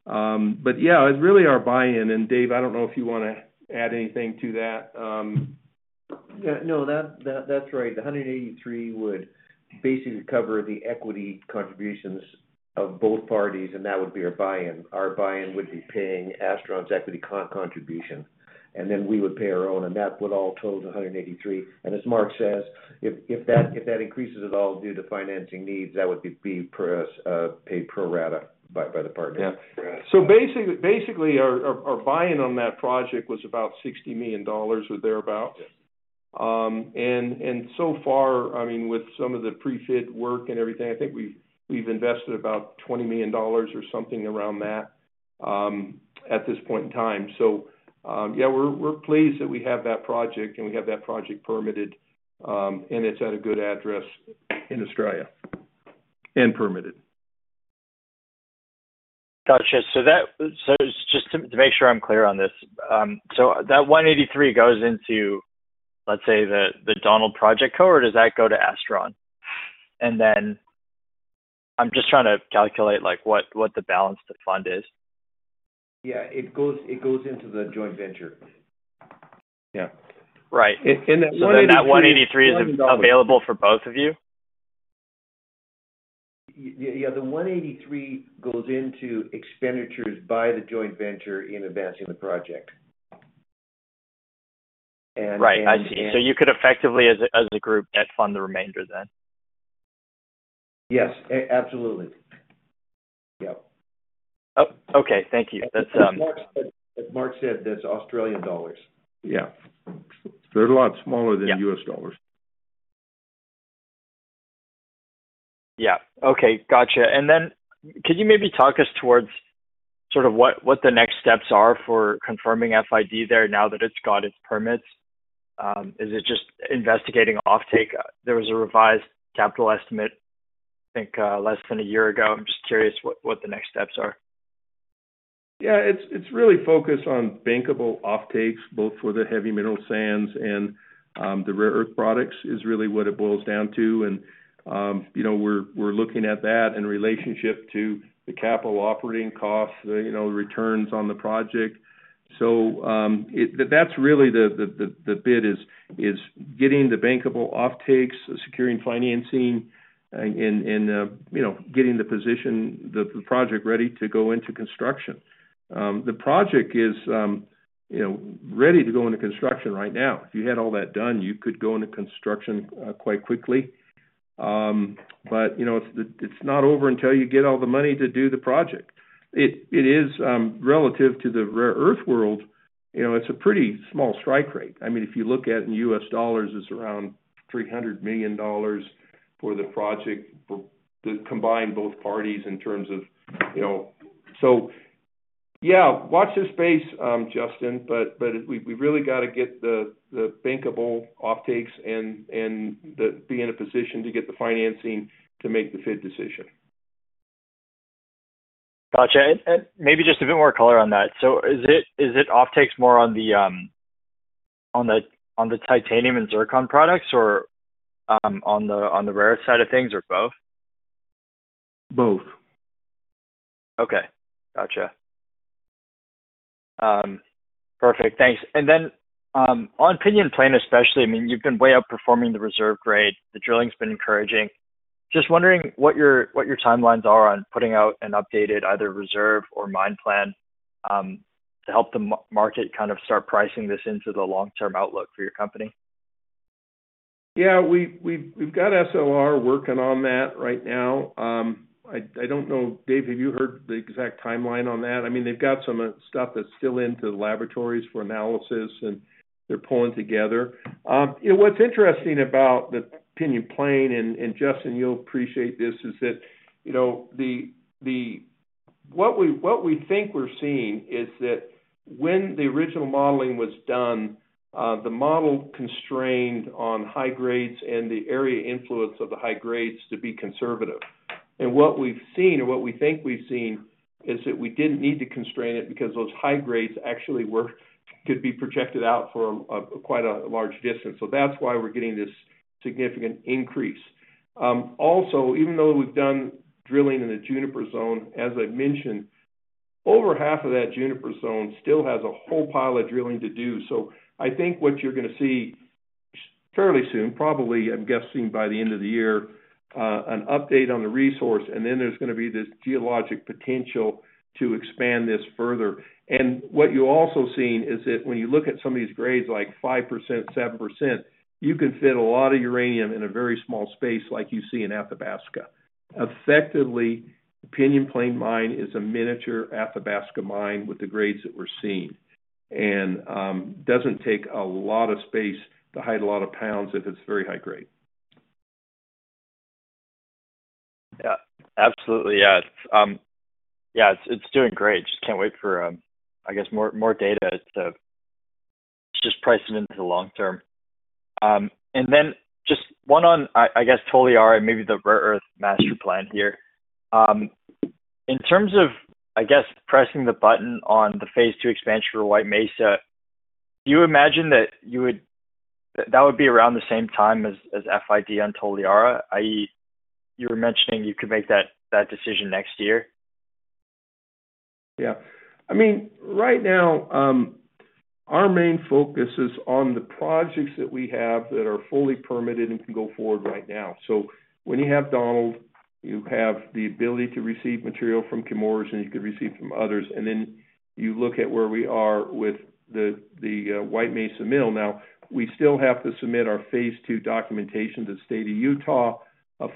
B: Yeah, it's really our buy-in. Dave, I don't know if you want to add anything to that.
G: Yeah, no, that's right. The $183 million would basically cover the equity contributions of both parties, and that would be our buy-in. Our buy-in would be paying Astrun's equity contribution, and then we would pay our own, and that would all total the $183 million. As Mark says, if that increases at all due to financing needs, that would be paid pro rata by the partners.
B: Yeah. Basically, our buy-in on that project was about $60 million or thereabouts. So far, with some of the pre-fit work and everything, I think we've invested about $20 million or something around that at this point in time. We're pleased that we have that project, and we have that project permitted, and it's at a good address in Australia and permitted.
F: Gotcha. Just to make sure I'm clear on this, that $183 million goes into, let's say, the Donald Project code, or does that go to Astron? I'm just trying to calculate what the balance to fund is.
G: Yeah, it goes into the joint venture. Yeah.
F: Right. That 183 is available for both of you?
G: Yeah, the $183 million goes into expenditures by the joint venture in advancing the project.
F: Right. You could effectively, as a group, fund the remainder then?
G: Yes, absolutely.
F: Yeah, okay. Thank you.
G: Mark said that's Australian dollars. Yeah, they're a lot smaller than U.S. dollars.
F: Okay. Gotcha. Could you maybe talk us towards sort of what the next steps are for confirming FID there now that it's got its permits? Is it just investigating offtake? There was a revised capital estimate, I think, less than a year ago. I'm just curious what the next steps are.
B: Yeah, it's really focused on bankable offtakes, both for the heavy mineral sands and the rare earth products, is really what it boils down to. We're looking at that in relationship to the capital operating costs, the returns on the project. That's really the bit, getting the bankable offtakes, securing financing, and getting the position, the project ready to go into construction. The project is ready to go into construction right now. If you had all that done, you could go into construction quite quickly. It's not over until you get all the money to do the project. It is relative to the rare earth world. It's a pretty small strike rate. If you look at it in U.S. dollars, it's around $300 million for the project to combine both parties in terms of, you know. Watch this space, Justin, but we really got to get the bankable offtakes and be in a position to get the financing to make the fed decision.
F: Gotcha. Maybe just a bit more color on that. Is it offtakes more on the titanium and zircon products or on the rare side of things or both?
B: Both.
F: Okay. Gotcha. Perfect. Thanks. On Pinyon Plain especially, I mean, you've been way outperforming the reserve grade. The drilling's been encouraging. Just wondering what your timelines are on putting out an updated either reserve or mine plan to help the market kind of start pricing this into the long-term outlook for your company.
B: Yeah, we've got SOR working on that right now. I don't know, Dave, have you heard the exact timeline on that? I mean, they've got some stuff that's still into the laboratories for analysis, and they're pulling together. You know what's interesting about the Pinyon Plain, and Justin, you'll appreciate this, is that what we think we're seeing is that when the original modeling was done, the model constrained on high grades and the area influence of the high grades to be conservative. What we've seen and what we think we've seen is that we didn't need to constrain it because those high grades actually could be projected out for quite a large distance. That's why we're getting this significant increase. Also, even though we've done drilling in the Juniper Zone, as I mentioned, over half of that Juniper Zone still has a whole pile of drilling to do. I think what you're going to see fairly soon, probably, I'm guessing by the end of the year, an update on the resource, and then there's going to be this geologic potential to expand this further. What you're also seeing is that when you look at some of these grades like 5%, 7%, you can fit a lot of uranium in a very small space like you see in Athabasca. Effectively, the Pinyon Plain mine is a miniature Athabasca mine with the grades that we're seeing and doesn't take a lot of space to hide a lot of pounds if it's very high grade.
F: Yeah, absolutely. Yeah, it's doing great. Just can't wait for, I guess, more data. It's just pricing into the long term. One on, I guess, Toliara and maybe the rare earth master plan here. In terms of, I guess, pressing the button on the phase two expansion for White Mesa, do you imagine that would be around the same time as FID on Toliara, i.e., you were mentioning you could make that decision next year?
B: Yeah. I mean, right now, our main focus is on the projects that we have that are fully permitted and can go forward right now. When you have Donald, you have the ability to receive material from Chemours and you could receive from others. You look at where we are with the White Mesa Mill. We still have to submit our phase II documentation to the state of Utah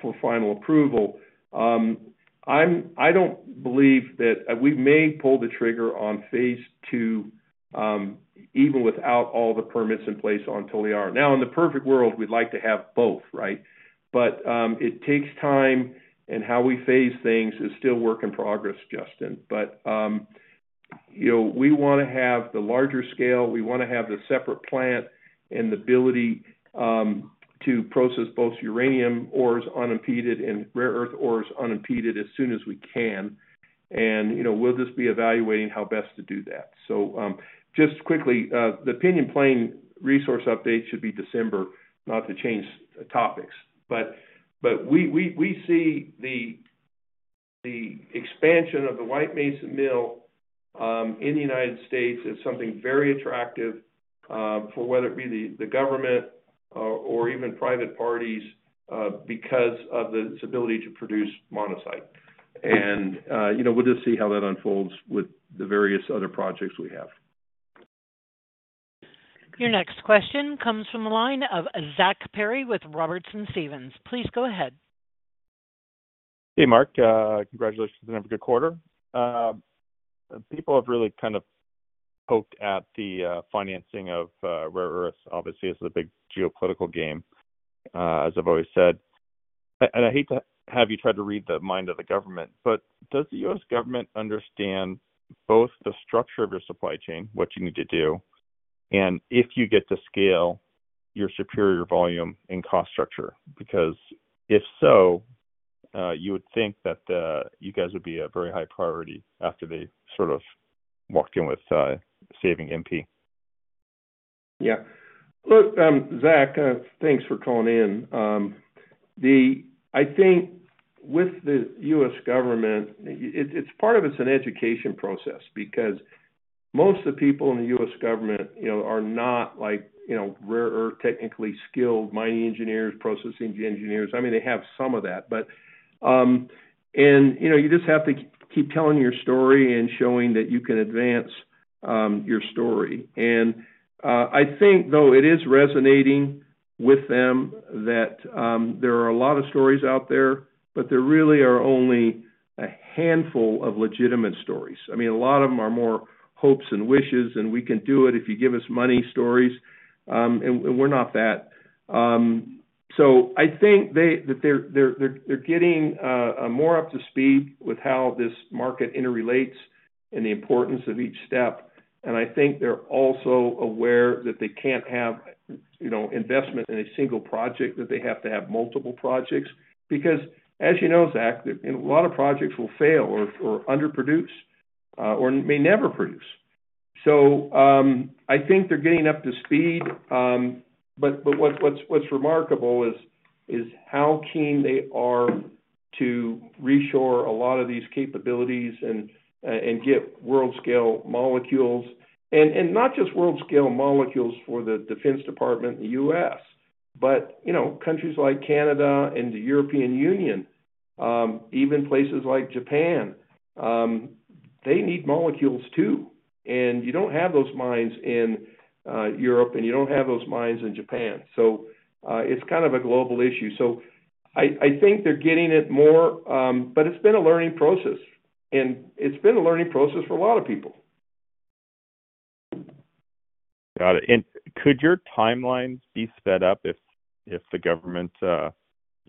B: for final approval. I don't believe that we may pull the trigger on phase II, even without all the permits in place on Toliara. In the perfect world, we'd like to have both, right? It takes time, and how we phase things is still a work in progress, Justin. You know we want to have the larger scale. We want to have the separate plant and the ability to process both uranium ores unimpeded and rare earth ores unimpeded as soon as we can. We'll just be evaluating how best to do that. Just quickly, the Pinyon Plain resource update should be December, not to change topics. We see the expansion of the White Mesa Mill in the United States as something very attractive for whether it be the government or even private parties because of its ability to produce monazite. We'll just see how that unfolds with the various other projects we have.
A: Your next question comes from a line of Zack Perry with Robertson Stephens. Please go ahead.
H: Hey, Mark. Congratulations on every good quarter. People have really kind of poked at the financing of rare earths. Obviously, it's a big geopolitical game, as I've always said. I hate to have you try to read the mind of the government, but does the U.S. government understand both the structure of your supply chain, what you need to do, and if you get to scale, your superior volume and cost structure? Because if so, you would think that you guys would be a very high priority after they sort of walked in with saving NdPr.
B: Yeah. Look, Zack, thanks for calling in. I think with the U.S. government, it's part of an education process because most of the people in the U.S. government are not, you know, rare earth technically skilled mining engineers, processing engineers. I mean, they have some of that, but you just have to keep telling your story and showing that you can advance your story. I think it is resonating with them that there are a lot of stories out there, but there really are only a handful of legitimate stories. A lot of them are more hopes and wishes, and we can do it if you give us money stories. We're not that. I think that they're getting more up to speed with how this market interrelates and the importance of each step. I think they're also aware that they can't have, you know, investment in a single project, that they have to have multiple projects because, as you know, Zack, a lot of projects will fail or underproduce or may never produce. I think they're getting up to speed. What's remarkable is how keen they are to reshore a lot of these capabilities and get world-scale molecules. Not just world-scale molecules for the Defense Department in the U.S., but, you know, countries like Canada and the European Union, even places like Japan, they need molecules too. You don't have those mines in Europe, and you don't have those mines in Japan. It's kind of a global issue. I think they're getting it more, but it's been a learning process. It's been a learning process for a lot of people.
H: Could your timeline be sped up if the government, you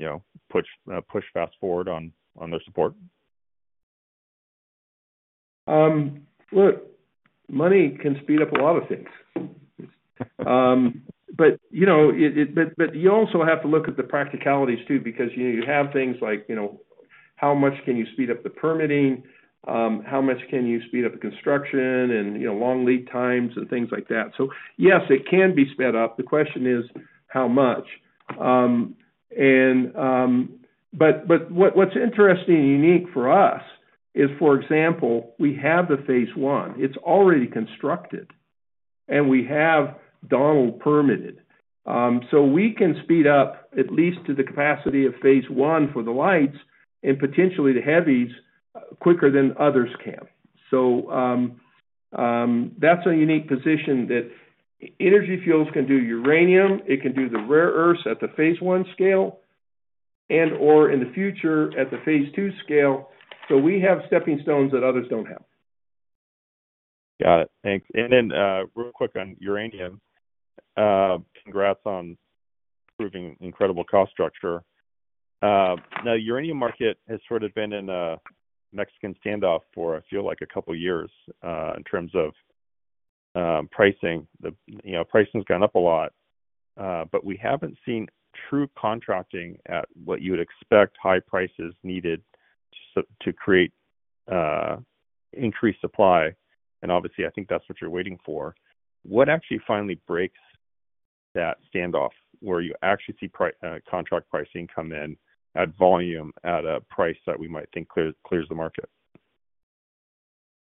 H: know, pushed fast forward on their support?
B: Look, money can speed up a lot of things, but you also have to look at the practicalities too because you have things like how much can you speed up the permitting, how much can you speed up the construction, and long lead times and things like that. Yes, it can be sped up. The question is how much. What's interesting and unique for us is, for example, we have the phase I. It's already constructed, and we have Donald permitted. We can speed up at least to the capacity of phase I for the lights and potentially the heavies quicker than others can. That's a unique position that Energy Fuels can do uranium. It can do the rare earths at the phase one scale and/or in the future at the phase two scale. We have stepping stones that others don't have.
H: Got it. Thanks. Real quick on uranium, congrats on proving incredible cost structure. The uranium market has sort of been in a Mexican standoff for, I feel like, a couple of years in terms of pricing. Pricing's gone up a lot, but we haven't seen true contracting at what you would expect high prices needed to create increased supply. Obviously, I think that's what you're waiting for. What actually finally breaks that standoff where you actually see contract pricing come in at volume at a price that we might think clears the market?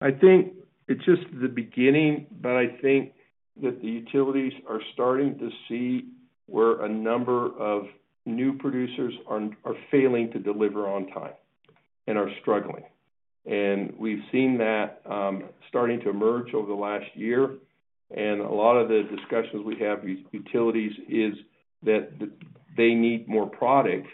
B: I think it's just the beginning, but I think that the utilities are starting to see where a number of new producers are failing to deliver on time and are struggling. We've seen that starting to emerge over the last year. A lot of the discussions we have with utilities is that they need more product.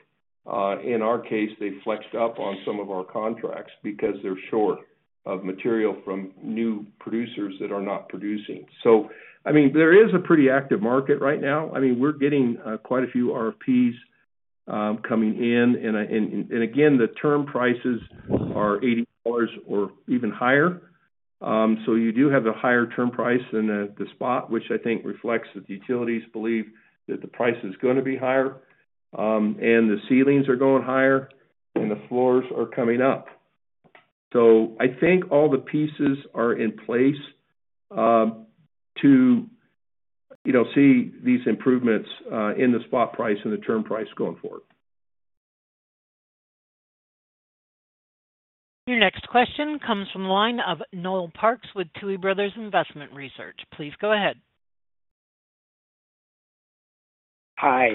B: In our case, they flexed up on some of our contracts because they're short of material from new producers that are not producing. There is a pretty active market right now. We're getting quite a few RFPs coming in. The term prices are $80 or even higher. You do have a higher term price than the spot, which I think reflects that the utilities believe that the price is going to be higher. The ceilings are going higher, and the floors are coming up. I think all the pieces are in place to see these improvements in the spot price and the term price going forward.
A: Your next question comes from a line of Noel Parks with Tuohy Brothers Investment Research. Please go ahead.
I: Hi.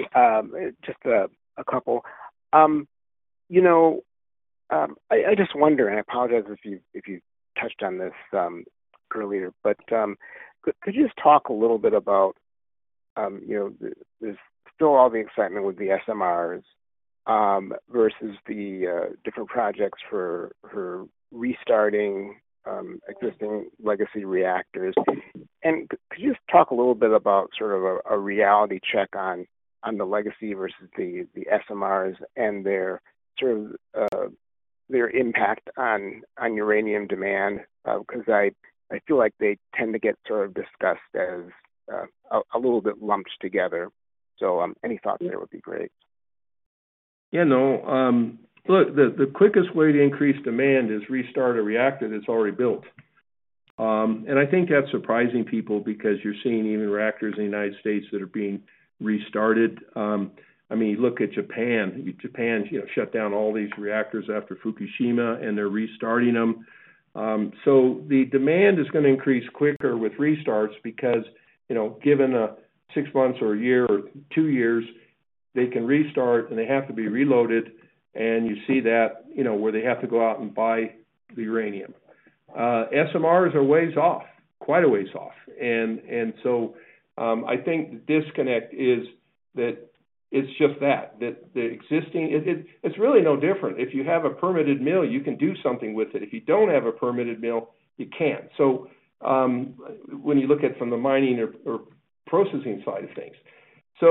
I: Just a couple. I just wonder, and I apologize if you touched on this earlier, could you just talk a little bit about, you know, there's still all the excitement with the SMRs versus the different projects for restarting existing legacy reactors? Could you just talk a little bit about sort of a reality check on the legacy versus the SMRs and their impact on uranium demand? I feel like they tend to get discussed as a little bit lumped together. Any thoughts there would be great.
B: Yeah, Noel. Look, the quickest way to increase demand is restart a reactor that's already built. I think that's surprising people because you're seeing even reactors in the United States that are being restarted. I mean, you look at Japan. Japan, you know, shut down all these reactors after Fukushima, and they're restarting them. The demand is going to increase quicker with restarts because, you know, given six months or a year or two years, they can restart, and they have to be reloaded. You see that, you know, where they have to go out and buy uranium. SMRs are ways off, quite a ways off. I think the disconnect is that it's just that the existing, it's really no different. If you have a permitted mill, you can do something with it. If you don't have a permitted mill, you can't. When you look at it from the mining or processing side of things, I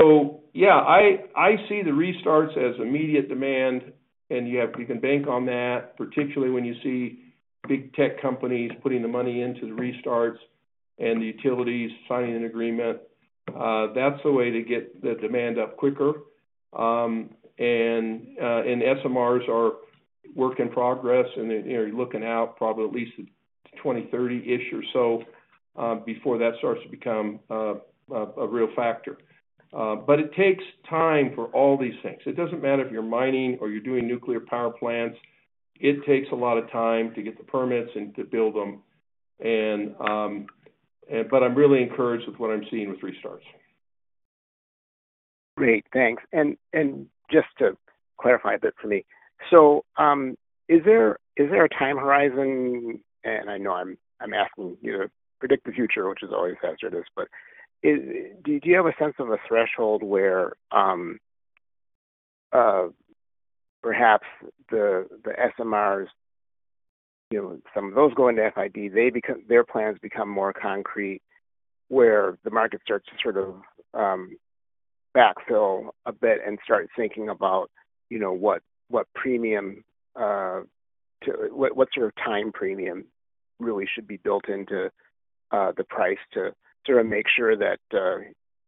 B: see the restarts as immediate demand, and you can bank on that, particularly when you see big tech companies putting the money into the restarts and the utilities signing an agreement. That's the way to get the demand up quicker. SMRs are work in progress, and you're looking out probably at least 2030-ish or so before that starts to become a real factor. It takes time for all these things. It doesn't matter if you're mining or you're doing nuclear power plants. It takes a lot of time to get the permits and to build them. I'm really encouraged with what I'm seeing with restarts.
I: Great, thanks. Just to clarify a bit for me, is there a time horizon, and I know I'm asking you to predict the future, which is always hazardous, but do you have a sense of a threshold where perhaps the SMRs, you know, some of those go into FID, they become, their plans become more concrete where the market starts to sort of backfill a bit and start thinking about what premium, to what, what sort of time premium really should be built into the price to sort of make sure that,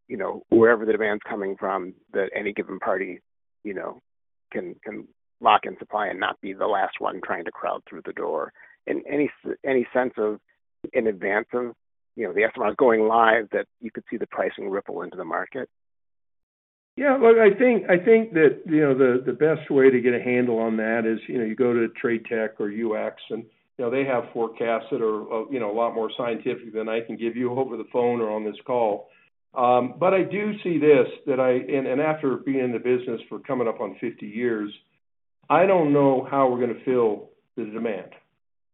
I: you know, wherever the demand's coming from, that any given party can lock in supply and not be the last one trying to crowd through the door. Any sense of in advance of the SMRs going live that you could see the pricing ripple into the market?
B: Yeah, I think the best way to get a handle on that is you go to TradeTech or UX, and they have forecasts that are a lot more scientific than I can give you over the phone or on this call. I do see this, that I, and after being in the business for coming up on 50 years, I don't know how we're going to fill the demand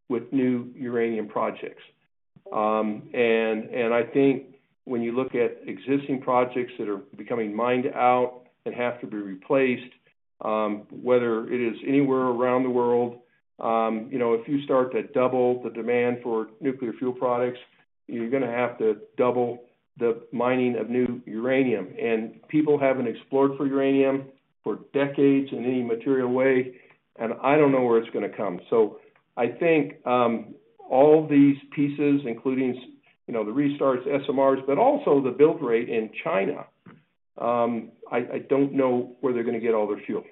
B: with new uranium projects. I think when you look at existing projects that are becoming mined out and have to be replaced, whether it is anywhere around the world, if you start to double the demand for nuclear fuel products, you're going to have to double the mining of new uranium. People haven't explored for uranium for decades in any material way, and I don't know where it's going to come. I think all of these pieces, including the restarts, SMRs, but also the build rate in China, I don't know where they're going to get all their fuel.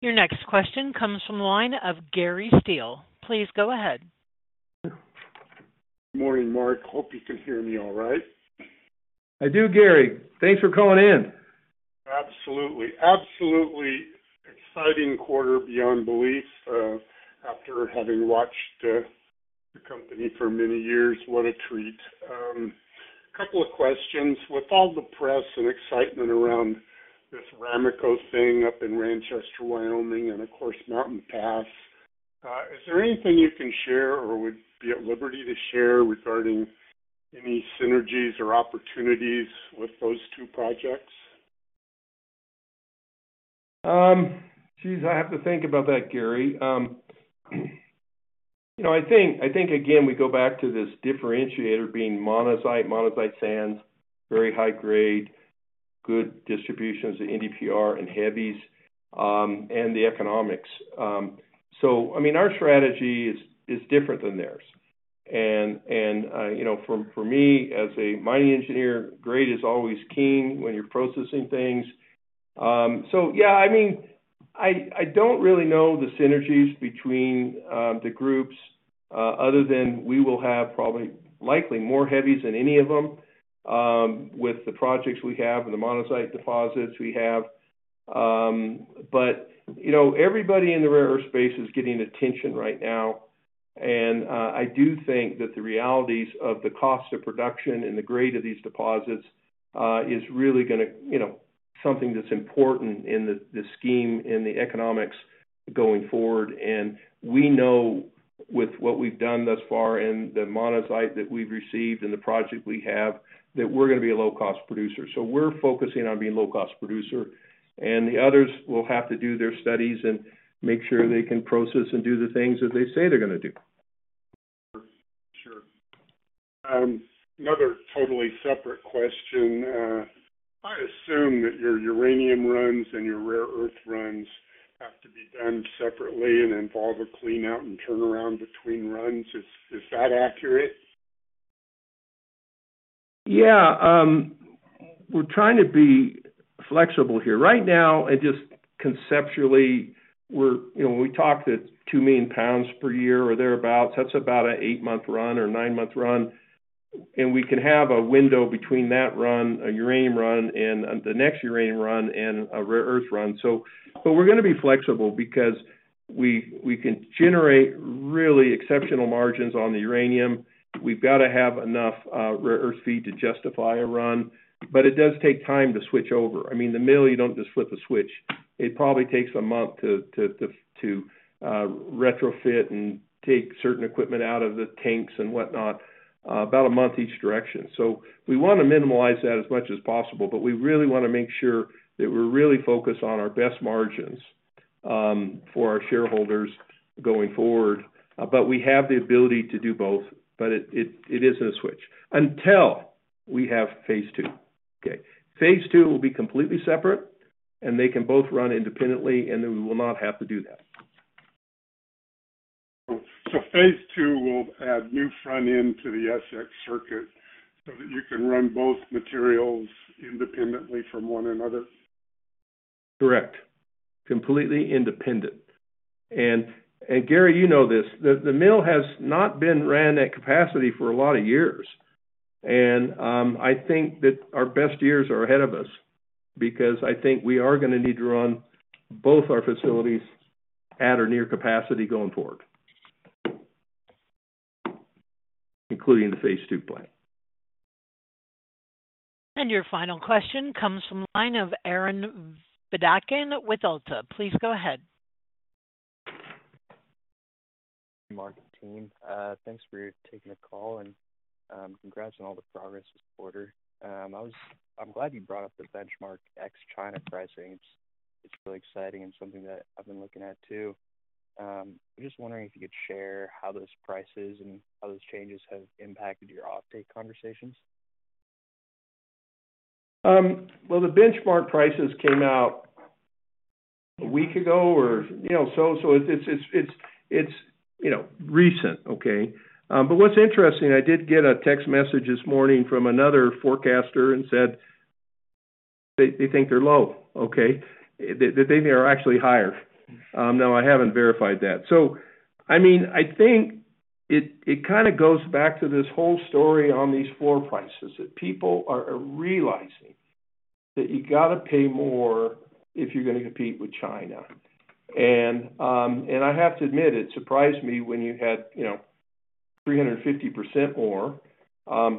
A: Your next question comes from the line of Gary Steele. Please go ahead.
J: Morning Mark, hope you can hear me all right.
B: I do, Gary. Thanks for calling in.
J: Absolutely. Absolutely exciting quarter beyond belief, after having watched the company for many years. What a treat. A couple of questions. With all the press and excitement around this Ramaco thing up in Ranchester, Wyoming, and of course Mountain Pass, is there anything you can share or would be at liberty to share regarding any synergies or opportunities with those two projects?
B: Geez, I have to think about that, Gary. I think, again, we go back to this differentiator being monazite, monazite sands, very high grade, good distributions of NdPr and heavies, and the economics. Our strategy is different than theirs, and for me as a mining engineer, grade is always key when you're processing things. I don't really know the synergies between the groups, other than we will have probably likely more heavies than any of them with the projects we have and the monazite deposits we have. Everybody in the rare earth space is getting attention right now. I do think that the realities of the cost of production and the grade of these deposits is really going to be something that's important in the scheme and the economics going forward. We know with what we've done thus far and the monazite that we've received and the project we have, that we're going to be a low-cost producer. We're focusing on being a low-cost producer, and the others will have to do their studies and make sure they can process and do the things that they say they're going to do.
J: Sure. Another totally separate question. I assume that your uranium runs and your rare earth runs have to be done separately and involve a clean-out and turnaround between runs. Is that accurate?
B: Yeah. We're trying to be flexible here. Right now, just conceptually, when we talked at two million pounds per year or thereabouts, that's about an eight-month run or a nine-month run. We can have a window between that run, a uranium run, and the next uranium run and a rare earth run. We're going to be flexible because we can generate really exceptional margins on the uranium. We've got to have enough rare earth feed to justify a run, but it does take time to switch over. The mill, you don't just flip a switch. It probably takes a month to retrofit and take certain equipment out of the tanks and whatnot, about a month each direction. We want to minimize that as much as possible, but we really want to make sure that we're really focused on our best margins for our shareholders going forward. We have the ability to do both, but it isn't a switch until we have phase II. PhaseII will be completely separate, and they can both run independently, and then we will not have to do that.
J: Phase II will have you sign in to the SX circuit so that you can run both materials independently from one another?
B: Correct. Completely independent. Gary, you know this, the mill has not been ran at capacity for a lot of years. I think that our best years are ahead of us because I think we are going to need to run both our facilities at or near capacity going forward, including the phase two plant.
A: Your final question comes from the line of Aaron Vadakkan with Alta. Please go ahead.
K: Mark, team, thanks for taking the call and congrats on all the progress this quarter. I'm glad you brought up the benchmark ex-China pricing. It's really exciting and something that I've been looking at too. I'm just wondering if you could share how those prices and how those changes have impacted your off-take conversations.
B: The benchmark prices came out a week ago or, you know, so it's recent, okay? What's interesting, I did get a text message this morning from another forecaster and said they think they're low, okay? They think they're actually higher. I haven't verified that. I think it kind of goes back to this whole story on these floor prices that people are realizing that you've got to pay more if you're going to compete with China. I have to admit, it surprised me when you had 350% more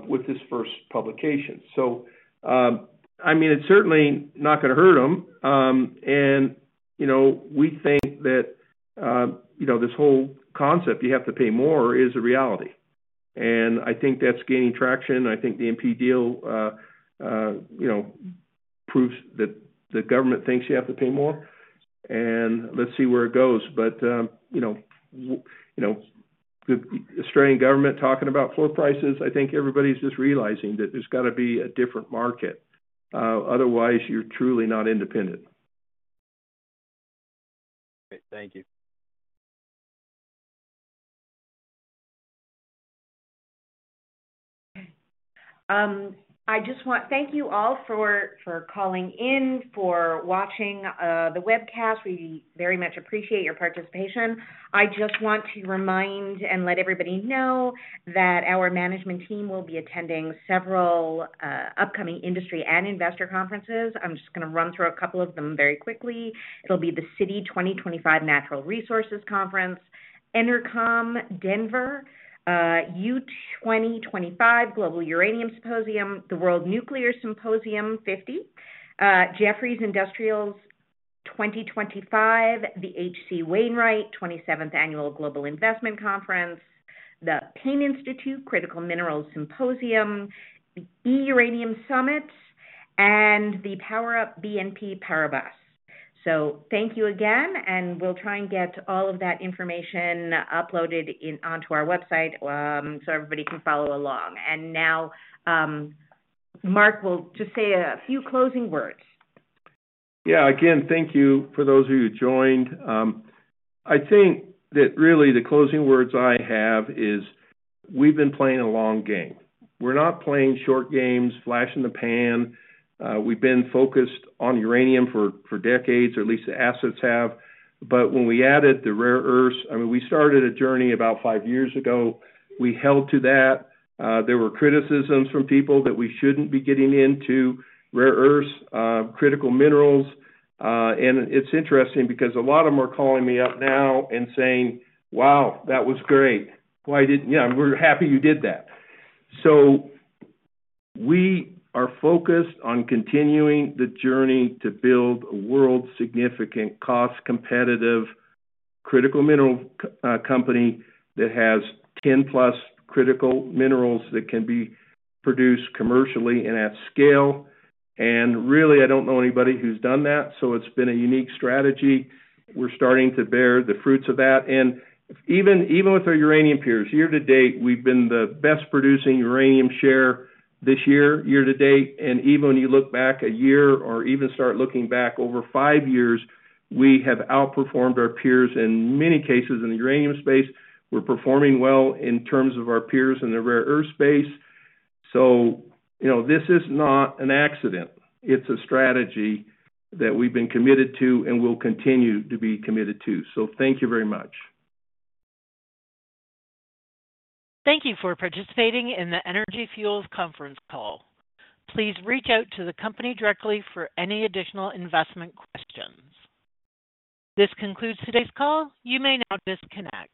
B: with this first publication. It's certainly not going to hurt them. We think that this whole concept you have to pay more is a reality. I think that's gaining traction. I think the MP deal proves that the government thinks you have to pay more. Let's see where it goes. The Australian government talking about floor prices, I think everybody's just realizing that there's got to be a different market. Otherwise, you're truly not independent.
K: Great. Thank you. I just want to thank you all for calling in, for watching the webcast. We very much appreciate your participation. I just want to remind and let everybody know that our management team will be attending several upcoming industry and investor conferences. I'm just going to run through a couple of them very quickly. There'll be the Citi 2025 Natural Resources Conference, Intercom Denver, U2025 Global Uranium Symposium, the World Nuclear Symposium 50, Jefferies Industrials 2025, the H.C. Wainwright 27th Annual Global Investment Conference, the Paine Institute Critical Minerals Symposium, the E-Uranium Summits, and the Power Up BNP Power Bus. Thank you again, and we'll try and get all of that information uploaded onto our website so everybody can follow along. Now, Mark, we'll just say a few closing words.
B: Yeah, again, thank you for those of you who joined. I think that really the closing words I have is we've been playing a long game. We're not playing short games, flash in the pan. We've been focused on uranium for decades, or at least the assets have. When we added the rare earths, I mean, we started a journey about five years ago. We held to that. There were criticisms from people that we shouldn't be getting into rare earths, critical minerals. It's interesting because a lot of them are calling me up now and saying, wow, that was great. Why didn't you? Yeah, we're happy you did that. We are focused on continuing the journey to build a world-significant, cost-competitive, critical mineral company that has 10+ critical minerals that can be produced commercially and at scale. I don't know anybody who's done that. It's been a unique strategy. We're starting to bear the fruits of that. Even with our uranium peers, year to date, we've been the best producing uranium share this year, year to date. Even when you look back a year or even start looking back over five years, we have outperformed our peers in many cases in the uranium space. We're performing well in terms of our peers in the rare earth space. This is not an accident. It's a strategy that we've been committed to and will continue to be committed to. Thank you very much.
C: Thank you for participating in the Energy Fuels Conference call. Please reach out to the company directly for any additional investment questions. This concludes today's call. You may now disconnect.